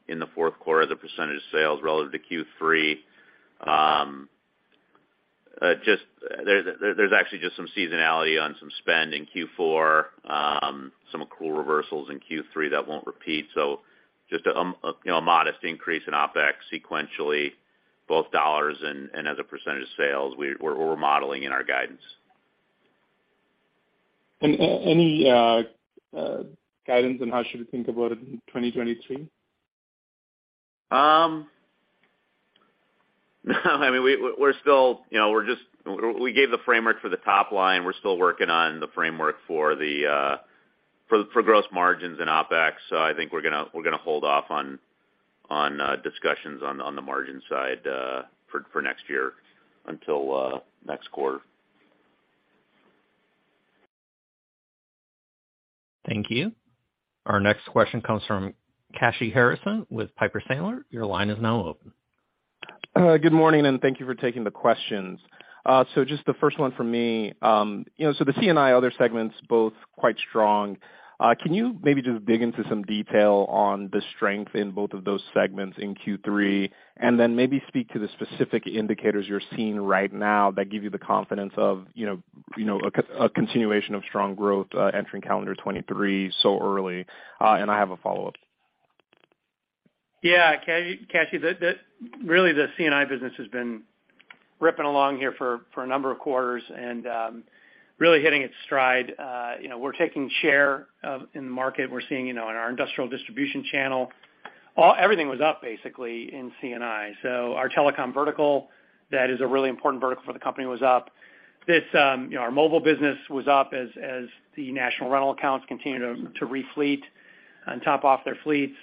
in the fourth quarter, the percentage of sales relative to Q3. Just there's actually just some seasonality on some spend in Q4, some accrual reversals in Q3 that won't repeat. Just a you know, a modest increase in OpEx sequentially, both dollars and as a percentage of sales we're remodeling in our guidance. Any guidance on how should we think about it in 2023? I mean, we're still, you know, we're just we gave the framework for the top line. We're still working on the framework for the gross margins in OpEx. I think we're gonna hold off on discussions on the margin side for next year until next quarter. Thank you. Our next question comes from Kashy Harrison with Piper Sandler. Your line is now open. Good morning, and thank you for taking the questions. Just the first one from me. You know, the C&I and other segments are both quite strong. Can you maybe just dig into some detail on the strength in both of those segments in Q3? Then maybe speak to the specific indicators you're seeing right now that give you the confidence of, you know, a continuation of strong growth, entering calendar 2023 so early. I have a follow-up. Yeah. Kashy, really the C&I business has been ripping along here for a number of quarters and really hitting its stride. You know, we're taking share in the market. We're seeing, you know, in our industrial distribution channel. Everything was up basically in C&I. Our telecom vertical, that is a really important vertical for the company, was up. You know, our mobile business was up as the national rental accounts continue to re-fleet and top off their fleets.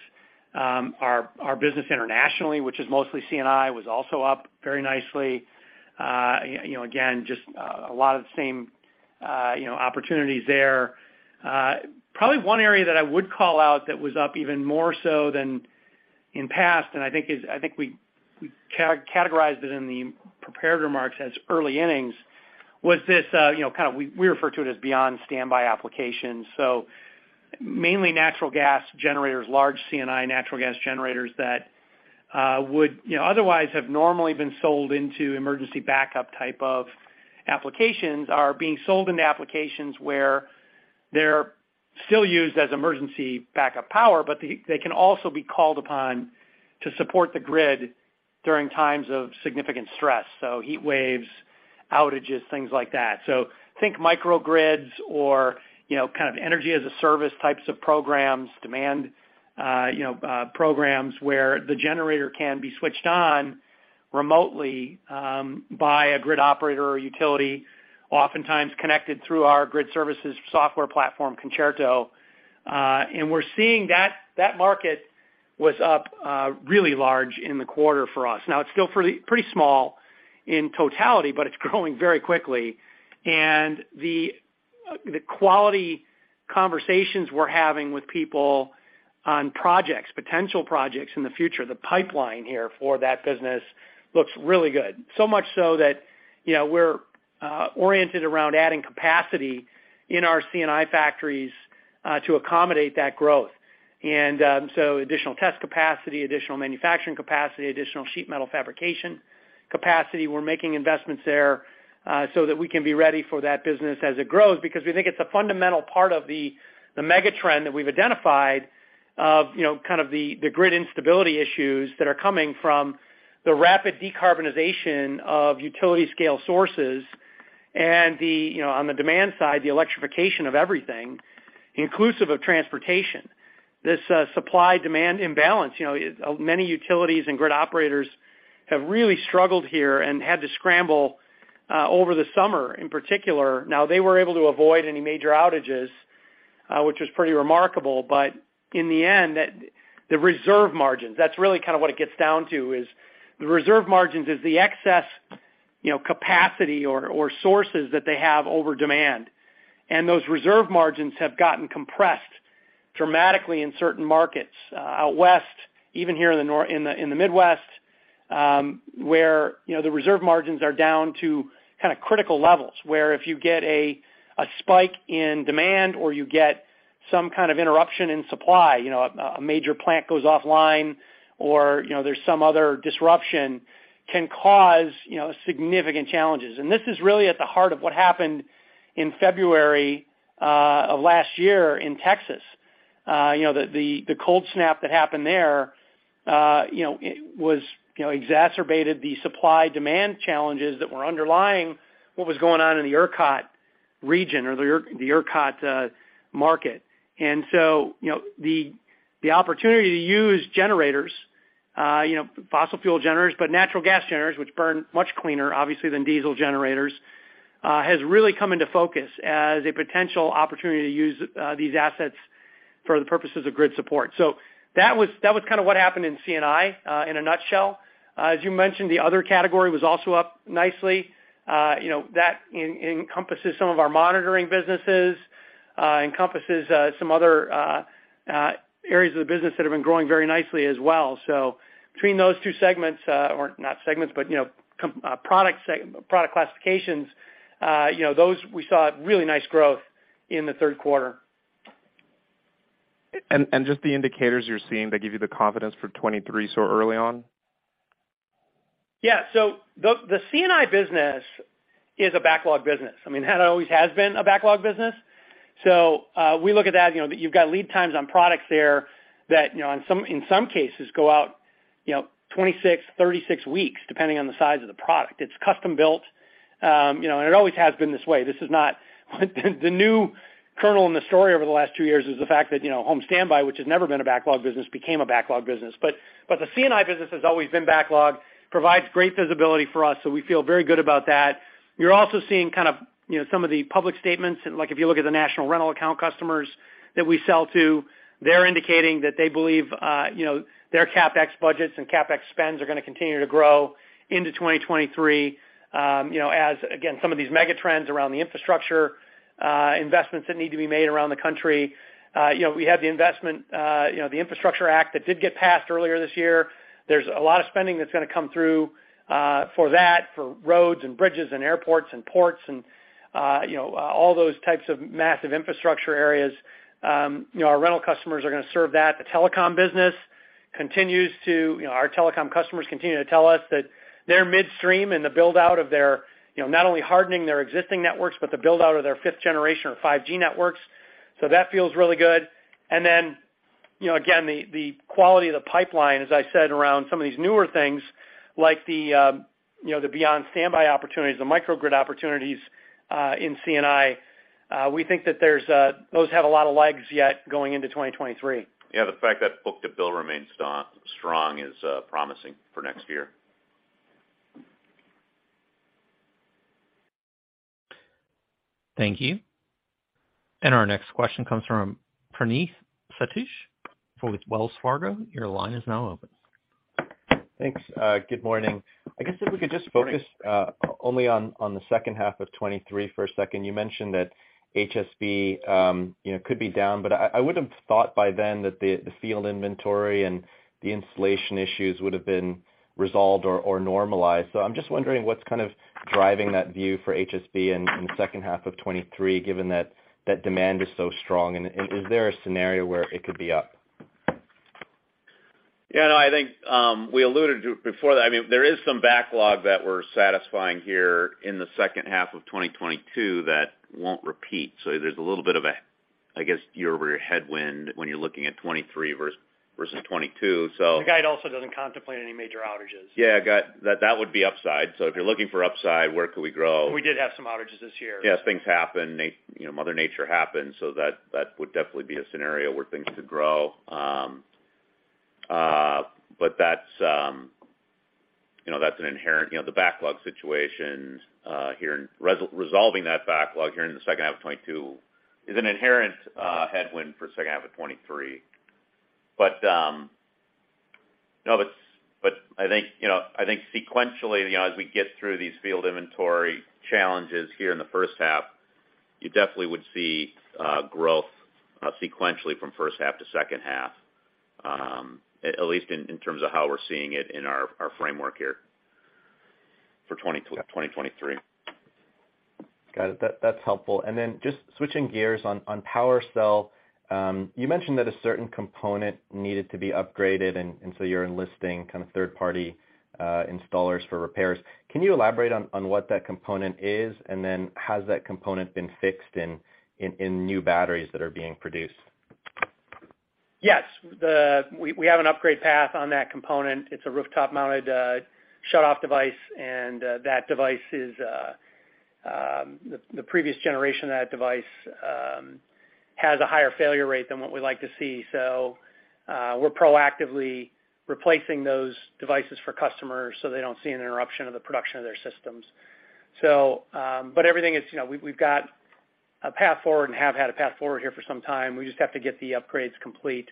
Our business internationally, which is mostly C&I, was also up very nicely. You know, again, just a lot of the same, you know, opportunities there. Probably one area that I would call out that was up even more so than in past, and I think we categorized it in the prepared remarks as early innings, was this, you know, we refer to it as beyond standby applications. Mainly natural gas generators, large C&I natural gas generators that would, you know, otherwise have normally been sold into emergency backup type of applications are being sold into applications where they're still used as emergency backup power, but they can also be called upon to support the grid during times of significant stress. Heat waves, outages, things like that. Think microgrids or, you know, kind of energy as a service types of programs, demand, you know, programs where the generator can be switched on remotely, by a grid operator or utility, oftentimes connected through our grid services software platform, Concerto. We're seeing that market was up really large in the quarter for us. Now, it's still pretty small in totality, but it's growing very quickly. The quality conversations we're having with people on projects, potential projects in the future, the pipeline here for that business looks really good. So much so that, you know, we're oriented around adding capacity in our C&I factories to accommodate that growth. Additional test capacity, additional manufacturing capacity, additional sheet metal fabrication capacity. We're making investments there so that we can be ready for that business as it grows because we think it's a fundamental part of the megatrend that we've identified of, you know, kind of the grid instability issues that are coming from the rapid decarbonization of utility-scale sources and the, you know, on the demand side, the electrification of everything, inclusive of transportation. This supply-demand imbalance, you know, many utilities and grid operators have really struggled here and had to scramble over the summer in particular. Now they were able to avoid any major outages, which was pretty remarkable. In the end, the reserve margins, that's really kind of what it gets down to, is the reserve margins, the excess, you know, capacity or sources that they have over demand. Those reserve margins have gotten compressed dramatically in certain markets, out west, even here in the Midwest, where, you know, the reserve margins are down to kind of critical levels, where if you get a spike in demand or you get some kind of interruption in supply, you know, a major plant goes offline or, you know, there's some other disruption can cause, you know, significant challenges. This is really at the heart of what happened in February of last year in Texas. The cold snap that happened there exacerbated the supply-demand challenges that were underlying what was going on in the ERCOT region or the ERCOT market. You know, the opportunity to use generators, you know, fossil fuel generators, but natural gas generators which burn much cleaner obviously than diesel generators, has really come into focus as a potential opportunity to use these assets for the purposes of grid support. That was kind of what happened in C&I in a nutshell. As you mentioned, the other category was also up nicely. You know, that encompasses some of our monitoring businesses, some other areas of the business that have been growing very nicely as well. Between those two segments, or not segments, but, you know, product classifications, you know, those we saw really nice growth in the third quarter. Just the indicators you're seeing that give you the confidence for 2023 so early on? The C&I business is a backlog business. I mean, that always has been a backlog business. We look at that, you know, you've got lead times on products there that, you know, in some cases go out, you know, 26, 36 weeks, depending on the size of the product. It's custom built. You know, and it always has been this way. This is not the new wrinkle in the story over the last two years, the fact that, you know, home standby, which has never been a backlog business, became a backlog business. But the C&I business has always been backlog, provides great visibility for us, so we feel very good about that. You're also seeing kind of, you know, some of the public statements, like if you look at the national rental account customers that we sell to, they're indicating that they believe, you know, their CapEx budgets and CapEx spends are gonna continue to grow into 2023, you know, as again, some of these mega trends around the infrastructure, investments that need to be made around the country. You know, we have the investment, you know, the Infrastructure Act that did get passed earlier this year. There's a lot of spending that's gonna come through, for that, for roads and bridges and airports and ports and, you know, all those types of massive infrastructure areas. You know, our rental customers are gonna serve that. The telecom business continues to, you know, our telecom customers continue to tell us that they're midstream in the build-out of their, you know, not only hardening their existing networks, but the build-out of their fifth generation or 5G networks. So that feels really good. You know, again, the quality of the pipeline, as I said, around some of these newer things like the, you know, the beyond standby opportunities, the microgrid opportunities in C&I, we think that there's those have a lot of legs yet going into 2023. Yeah, the fact that book-to-bill remains so strong is promising for next year. Thank you. Our next question comes from Praneeth Satish with Wells Fargo. Your line is now open. Thanks. Good morning. I guess if we could just focus only on the second half of 2023 for a second. You mentioned that HSB, you know, could be down, but I would have thought by then that the field inventory and the installation issues would have been resolved or normalized. I'm just wondering what's kind of driving that view for HSB in the second half of 2023, given that that demand is so strong, and is there a scenario where it could be up? Yeah, no, I think we alluded to it before that. I mean, there is some backlog that we're satisfying here in the second half of 2022 that won't repeat. There's a little bit of a, I guess, year-over-year headwind when you're looking at 2023 versus 2022. The guide also doesn't contemplate any major outages. Yeah. That would be upside. If you're looking for upside, where could we grow? We did have some outages this year. Yes. Things happen. You know, mother nature happens. That would definitely be a scenario where things could grow. That's, you know, that's an inherent. You know, the backlog situations, resolving that backlog here in the second half of 2022 is an inherent headwind for second half of 2023. No, but I think, you know, sequentially, you know, as we get through these field inventory challenges here in the first half, you definitely would see growth sequentially from first half to second half, at least in terms of how we're seeing it in our framework here for 2023. Got it. That's helpful. Then just switching gears on PWRcell. You mentioned that a certain component needed to be upgraded, and so you're enlisting kind of third-party installers for repairs. Can you elaborate on what that component is? Then has that component been fixed in new batteries that are being produced? Yes. We have an upgrade path on that component. It's a rooftop-mounted shutoff device, and that device is the previous generation of that device has a higher failure rate than what we like to see. We're proactively replacing those devices for customers so they don't see an interruption of the production of their systems. Everything is. You know, we've got a path forward and have had a path forward here for some time. We just have to get the upgrades complete.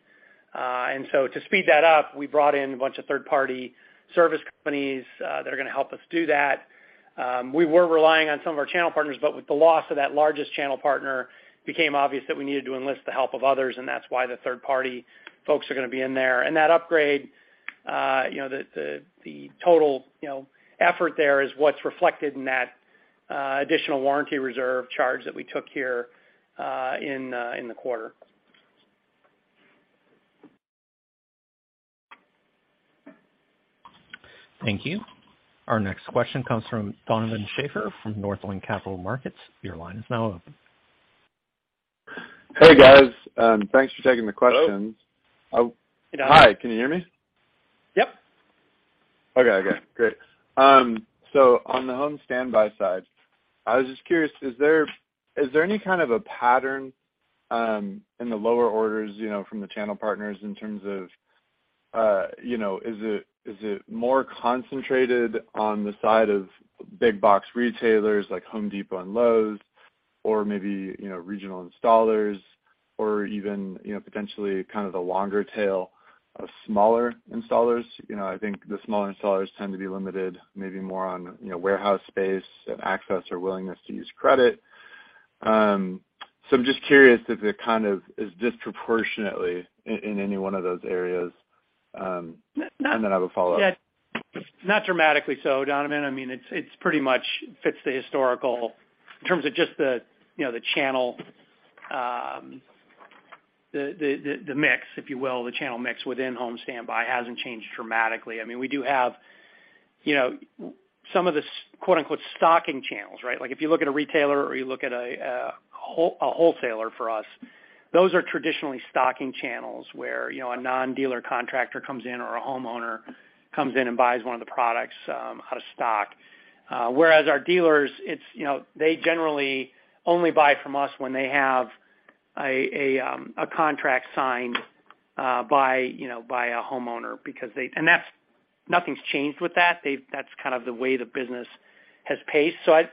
To speed that up, we brought in a bunch of third-party service companies that are gonna help us do that. We were relying on some of our channel partners, but with the loss of that largest channel partner became obvious that we needed to enlist the help of others, and that's why the third party folks are gonna be in there. That upgrade, you know, the total, you know, effort there is what's reflected in that additional warranty reserve charge that we took here in the quarter. Thank you. Our next question comes from Donovan Schafer from Northland Capital Markets. Your line is now open. Hey, guys. Thanks for taking the questions. Hello. Uh. Can hear us? Hi. Can you hear me? Yep. Okay. Okay, great. On the home standby side, I was just curious, is there any kind of a pattern in the lower orders, you know, from the channel partners in terms of, you know, is it more concentrated on the side of big box retailers like Home Depot and Lowe's or maybe, you know, regional installers or even, you know, potentially kind of the longer tail of smaller installers? You know, I think the smaller installers tend to be limited, maybe more on, you know, warehouse space and access or willingness to use credit. I'm just curious if it kind of is disproportionately in any one of those areas. I have a follow-up. Yeah. Not dramatically so, Donovan. I mean, it's pretty much fits the historical in terms of just the, you know, the channel, the mix, if you will. The channel mix within home standby hasn't changed dramatically. I mean, we do have, you know, some of the quote-unquote "stocking channels," right? Like, if you look at a retailer or you look at a wholesaler for us, those are traditionally stocking channels where, you know, a non-dealer contractor comes in or a homeowner comes in and buys one of the products out of stock. Whereas our dealers, it's, you know, they generally only buy from us when they have a contract signed by a homeowner because they. Nothing's changed with that. That's kind of the way the business has paced. I,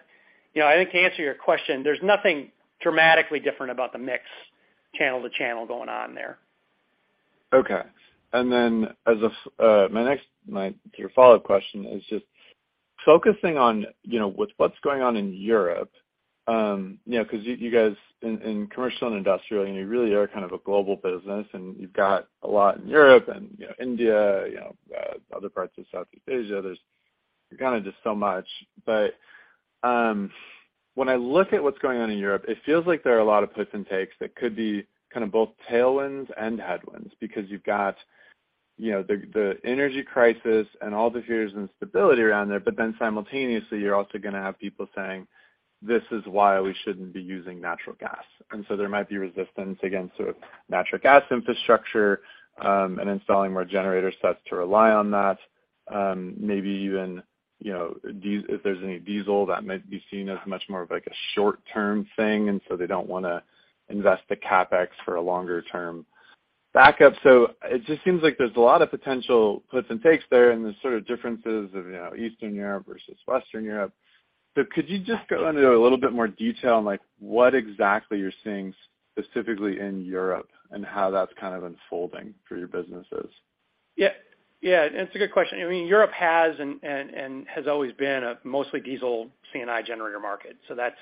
you know, I think to answer your question, there's nothing dramatically different about the mix channel to channel going on there. Okay. Your follow-up question is just focusing on, you know, with what's going on in Europe, you know, 'cause you guys in commercial and industrial, and you really are kind of a global business, and you've got a lot in Europe and, you know, India, you know, other parts of Southeast Asia. There's kind of just so much. But when I look at what's going on in Europe, it feels like there are a lot of puts and takes that could be kind of both tailwinds and headwinds because you've got, you know, the energy crisis and all the fears of instability around there, but then simultaneously, you're also gonna have people saying, "This is why we shouldn't be using natural gas." And so there might be resistance against sort of natural gas infrastructure and installing more generator sets to rely on that. Maybe even if there's any diesel that might be seen as much more of like a short-term thing, and so they don't wanna invest the CapEx for a longer term backup. It just seems like there's a lot of potential puts and takes there, and there's sort of differences of, you know, Eastern Europe versus Western Europe. Could you just go into a little bit more detail on like what exactly you're seeing specifically in Europe and how that's kind of unfolding for your businesses? Yeah. Yeah, it's a good question. I mean, Europe has and has always been a mostly diesel C&I generator market, so that's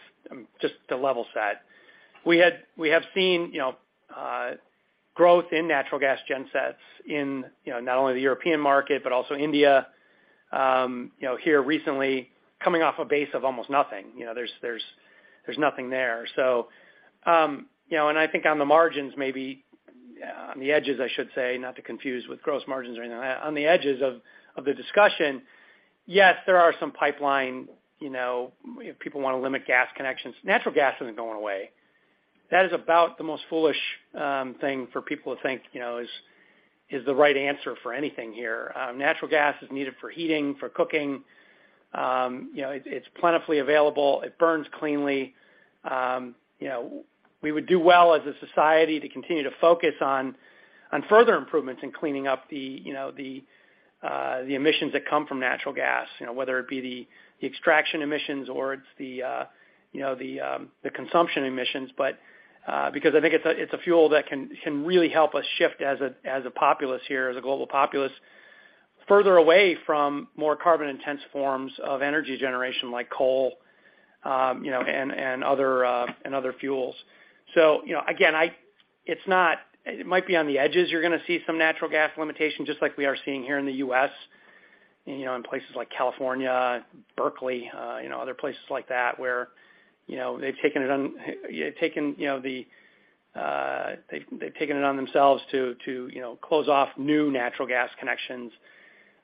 just the level set. We have seen, you know, growth in natural gas gensets in, you know, not only the European market but also India, you know, here recently coming off a base of almost nothing. You know, there's nothing there. You know, and I think on the margins, maybe on the edges, I should say, not to confuse with gross margins or anything like that. On the edges of the discussion, yes, there are some pipeline, you know, if people wanna limit gas connections. Natural gas isn't going away. That is about the most foolish thing for people to think, you know, is the right answer for anything here. Natural gas is needed for heating, for cooking. You know, it's plentifully available. It burns cleanly. You know, we would do well as a society to continue to focus on further improvements in cleaning up the emissions that come from natural gas, you know, whether it be the extraction emissions or it's the consumption emissions. Because I think it's a fuel that can really help us shift as a populace here, as a global populace, further away from more carbon intense forms of energy generation like coal, you know, and other fuels. Again, you know, it might be on the edges you're gonna see some natural gas limitation, just like we are seeing here in the U.S., you know, in places like California, Berkeley, you know, other places like that where, you know, they've taken it on themselves to, you know, close off new natural gas connections.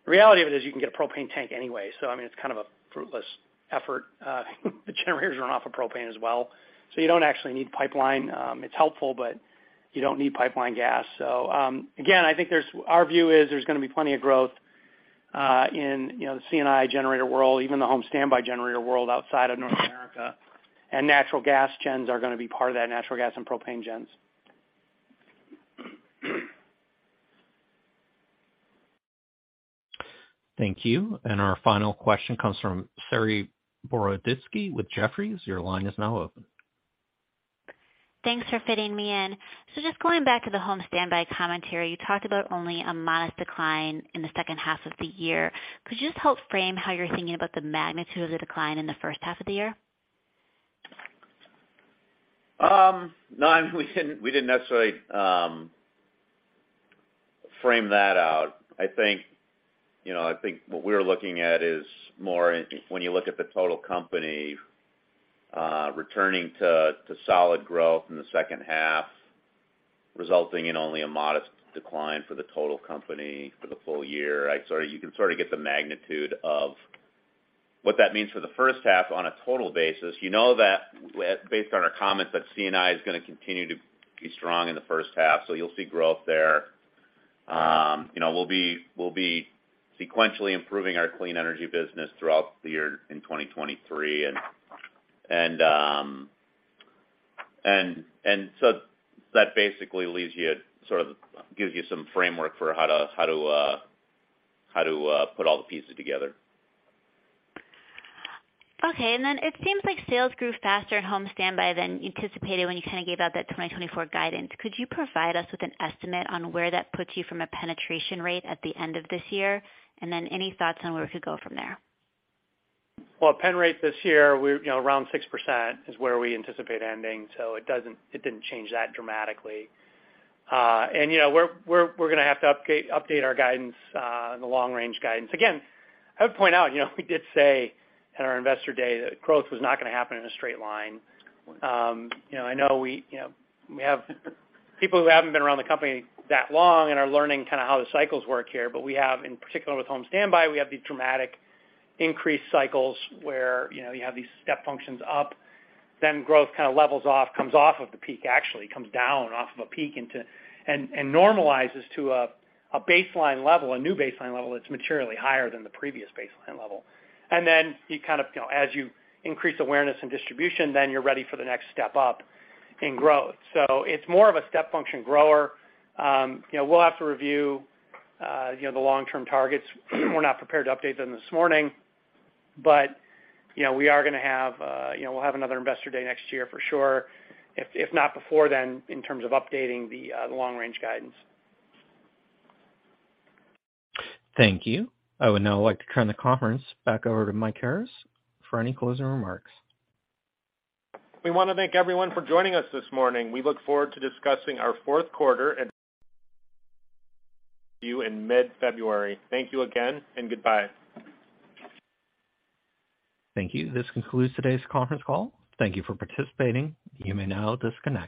The reality of it is you can get a propane tank anyway, so I mean, it's kind of a fruitless effort. The generators run off of propane as well, so you don't actually need pipeline. It's helpful, but you don't need pipeline gas. Again, I think our view is there's gonna be plenty of growth in, you know, the C&I generator world, even the home standby generator world outside of North America, and natural gas gens are gonna be part of that natural gas and propane gens. Thank you. Our final question comes from Saree Boroditsky with Jefferies. Your line is now open. Thanks for fitting me in. Just going back to the home standby commentary, you talked about only a modest decline in the second half of the year. Could you just help frame how you're thinking about the magnitude of the decline in the first half of the year? No, I mean, we didn't necessarily frame that out. I think, you know, I think what we're looking at is more when you look at the total company returning to solid growth in the second half, resulting in only a modest decline for the total company for the full year. You can sort of get the magnitude of what that means for the first half on a total basis. You know that, based on our comments, that C&I is gonna continue to be strong in the first half, so you'll see growth there. You know, we'll be sequentially improving our clean energy business throughout the year in 2023. That basically gives you some framework for how to put all the pieces together. Okay. It seems like sales grew faster at home standby than you anticipated when you kinda gave out that 2024 guidance. Could you provide us with an estimate on where that puts you from a penetration rate at the end of this year? Any thoughts on where it could go from there? Well, pen rate this year, we're, you know, around 6% is where we anticipate ending, so it didn't change that dramatically. You know, we're gonna have to update our guidance in the long range guidance. Again, I would point out, you know, we did say at our Investor Day that growth was not gonna happen in a straight line. You know, I know we have people who haven't been around the company that long and are learning kinda how the cycles work here, but we have, in particular with home standby, these dramatic increased cycles where, you know, you have these step functions up, then growth kinda levels off, comes off of the peak. Actually comes down off of a peak and normalizes to a baseline level, a new baseline level that's materially higher than the previous baseline level. You kind of, you know, as you increase awareness and distribution, you're ready for the next step up in growth. It's more of a step function grower. You know, we'll have to review you know, the long-term targets. We're not prepared to update them this morning, but, you know, we are gonna have, you know, we'll have another Investor Day next year for sure, if not before then in terms of updating the long range guidance. Thank you. I would now like to turn the conference back over to Mike Harris for any closing remarks. We want to thank everyone for joining us this morning. We look forward to discussing our fourth quarter and full year in mid-February. Thank you again and goodbye. Thank you. This concludes today's conference call. Thank you for participating. You may now disconnect.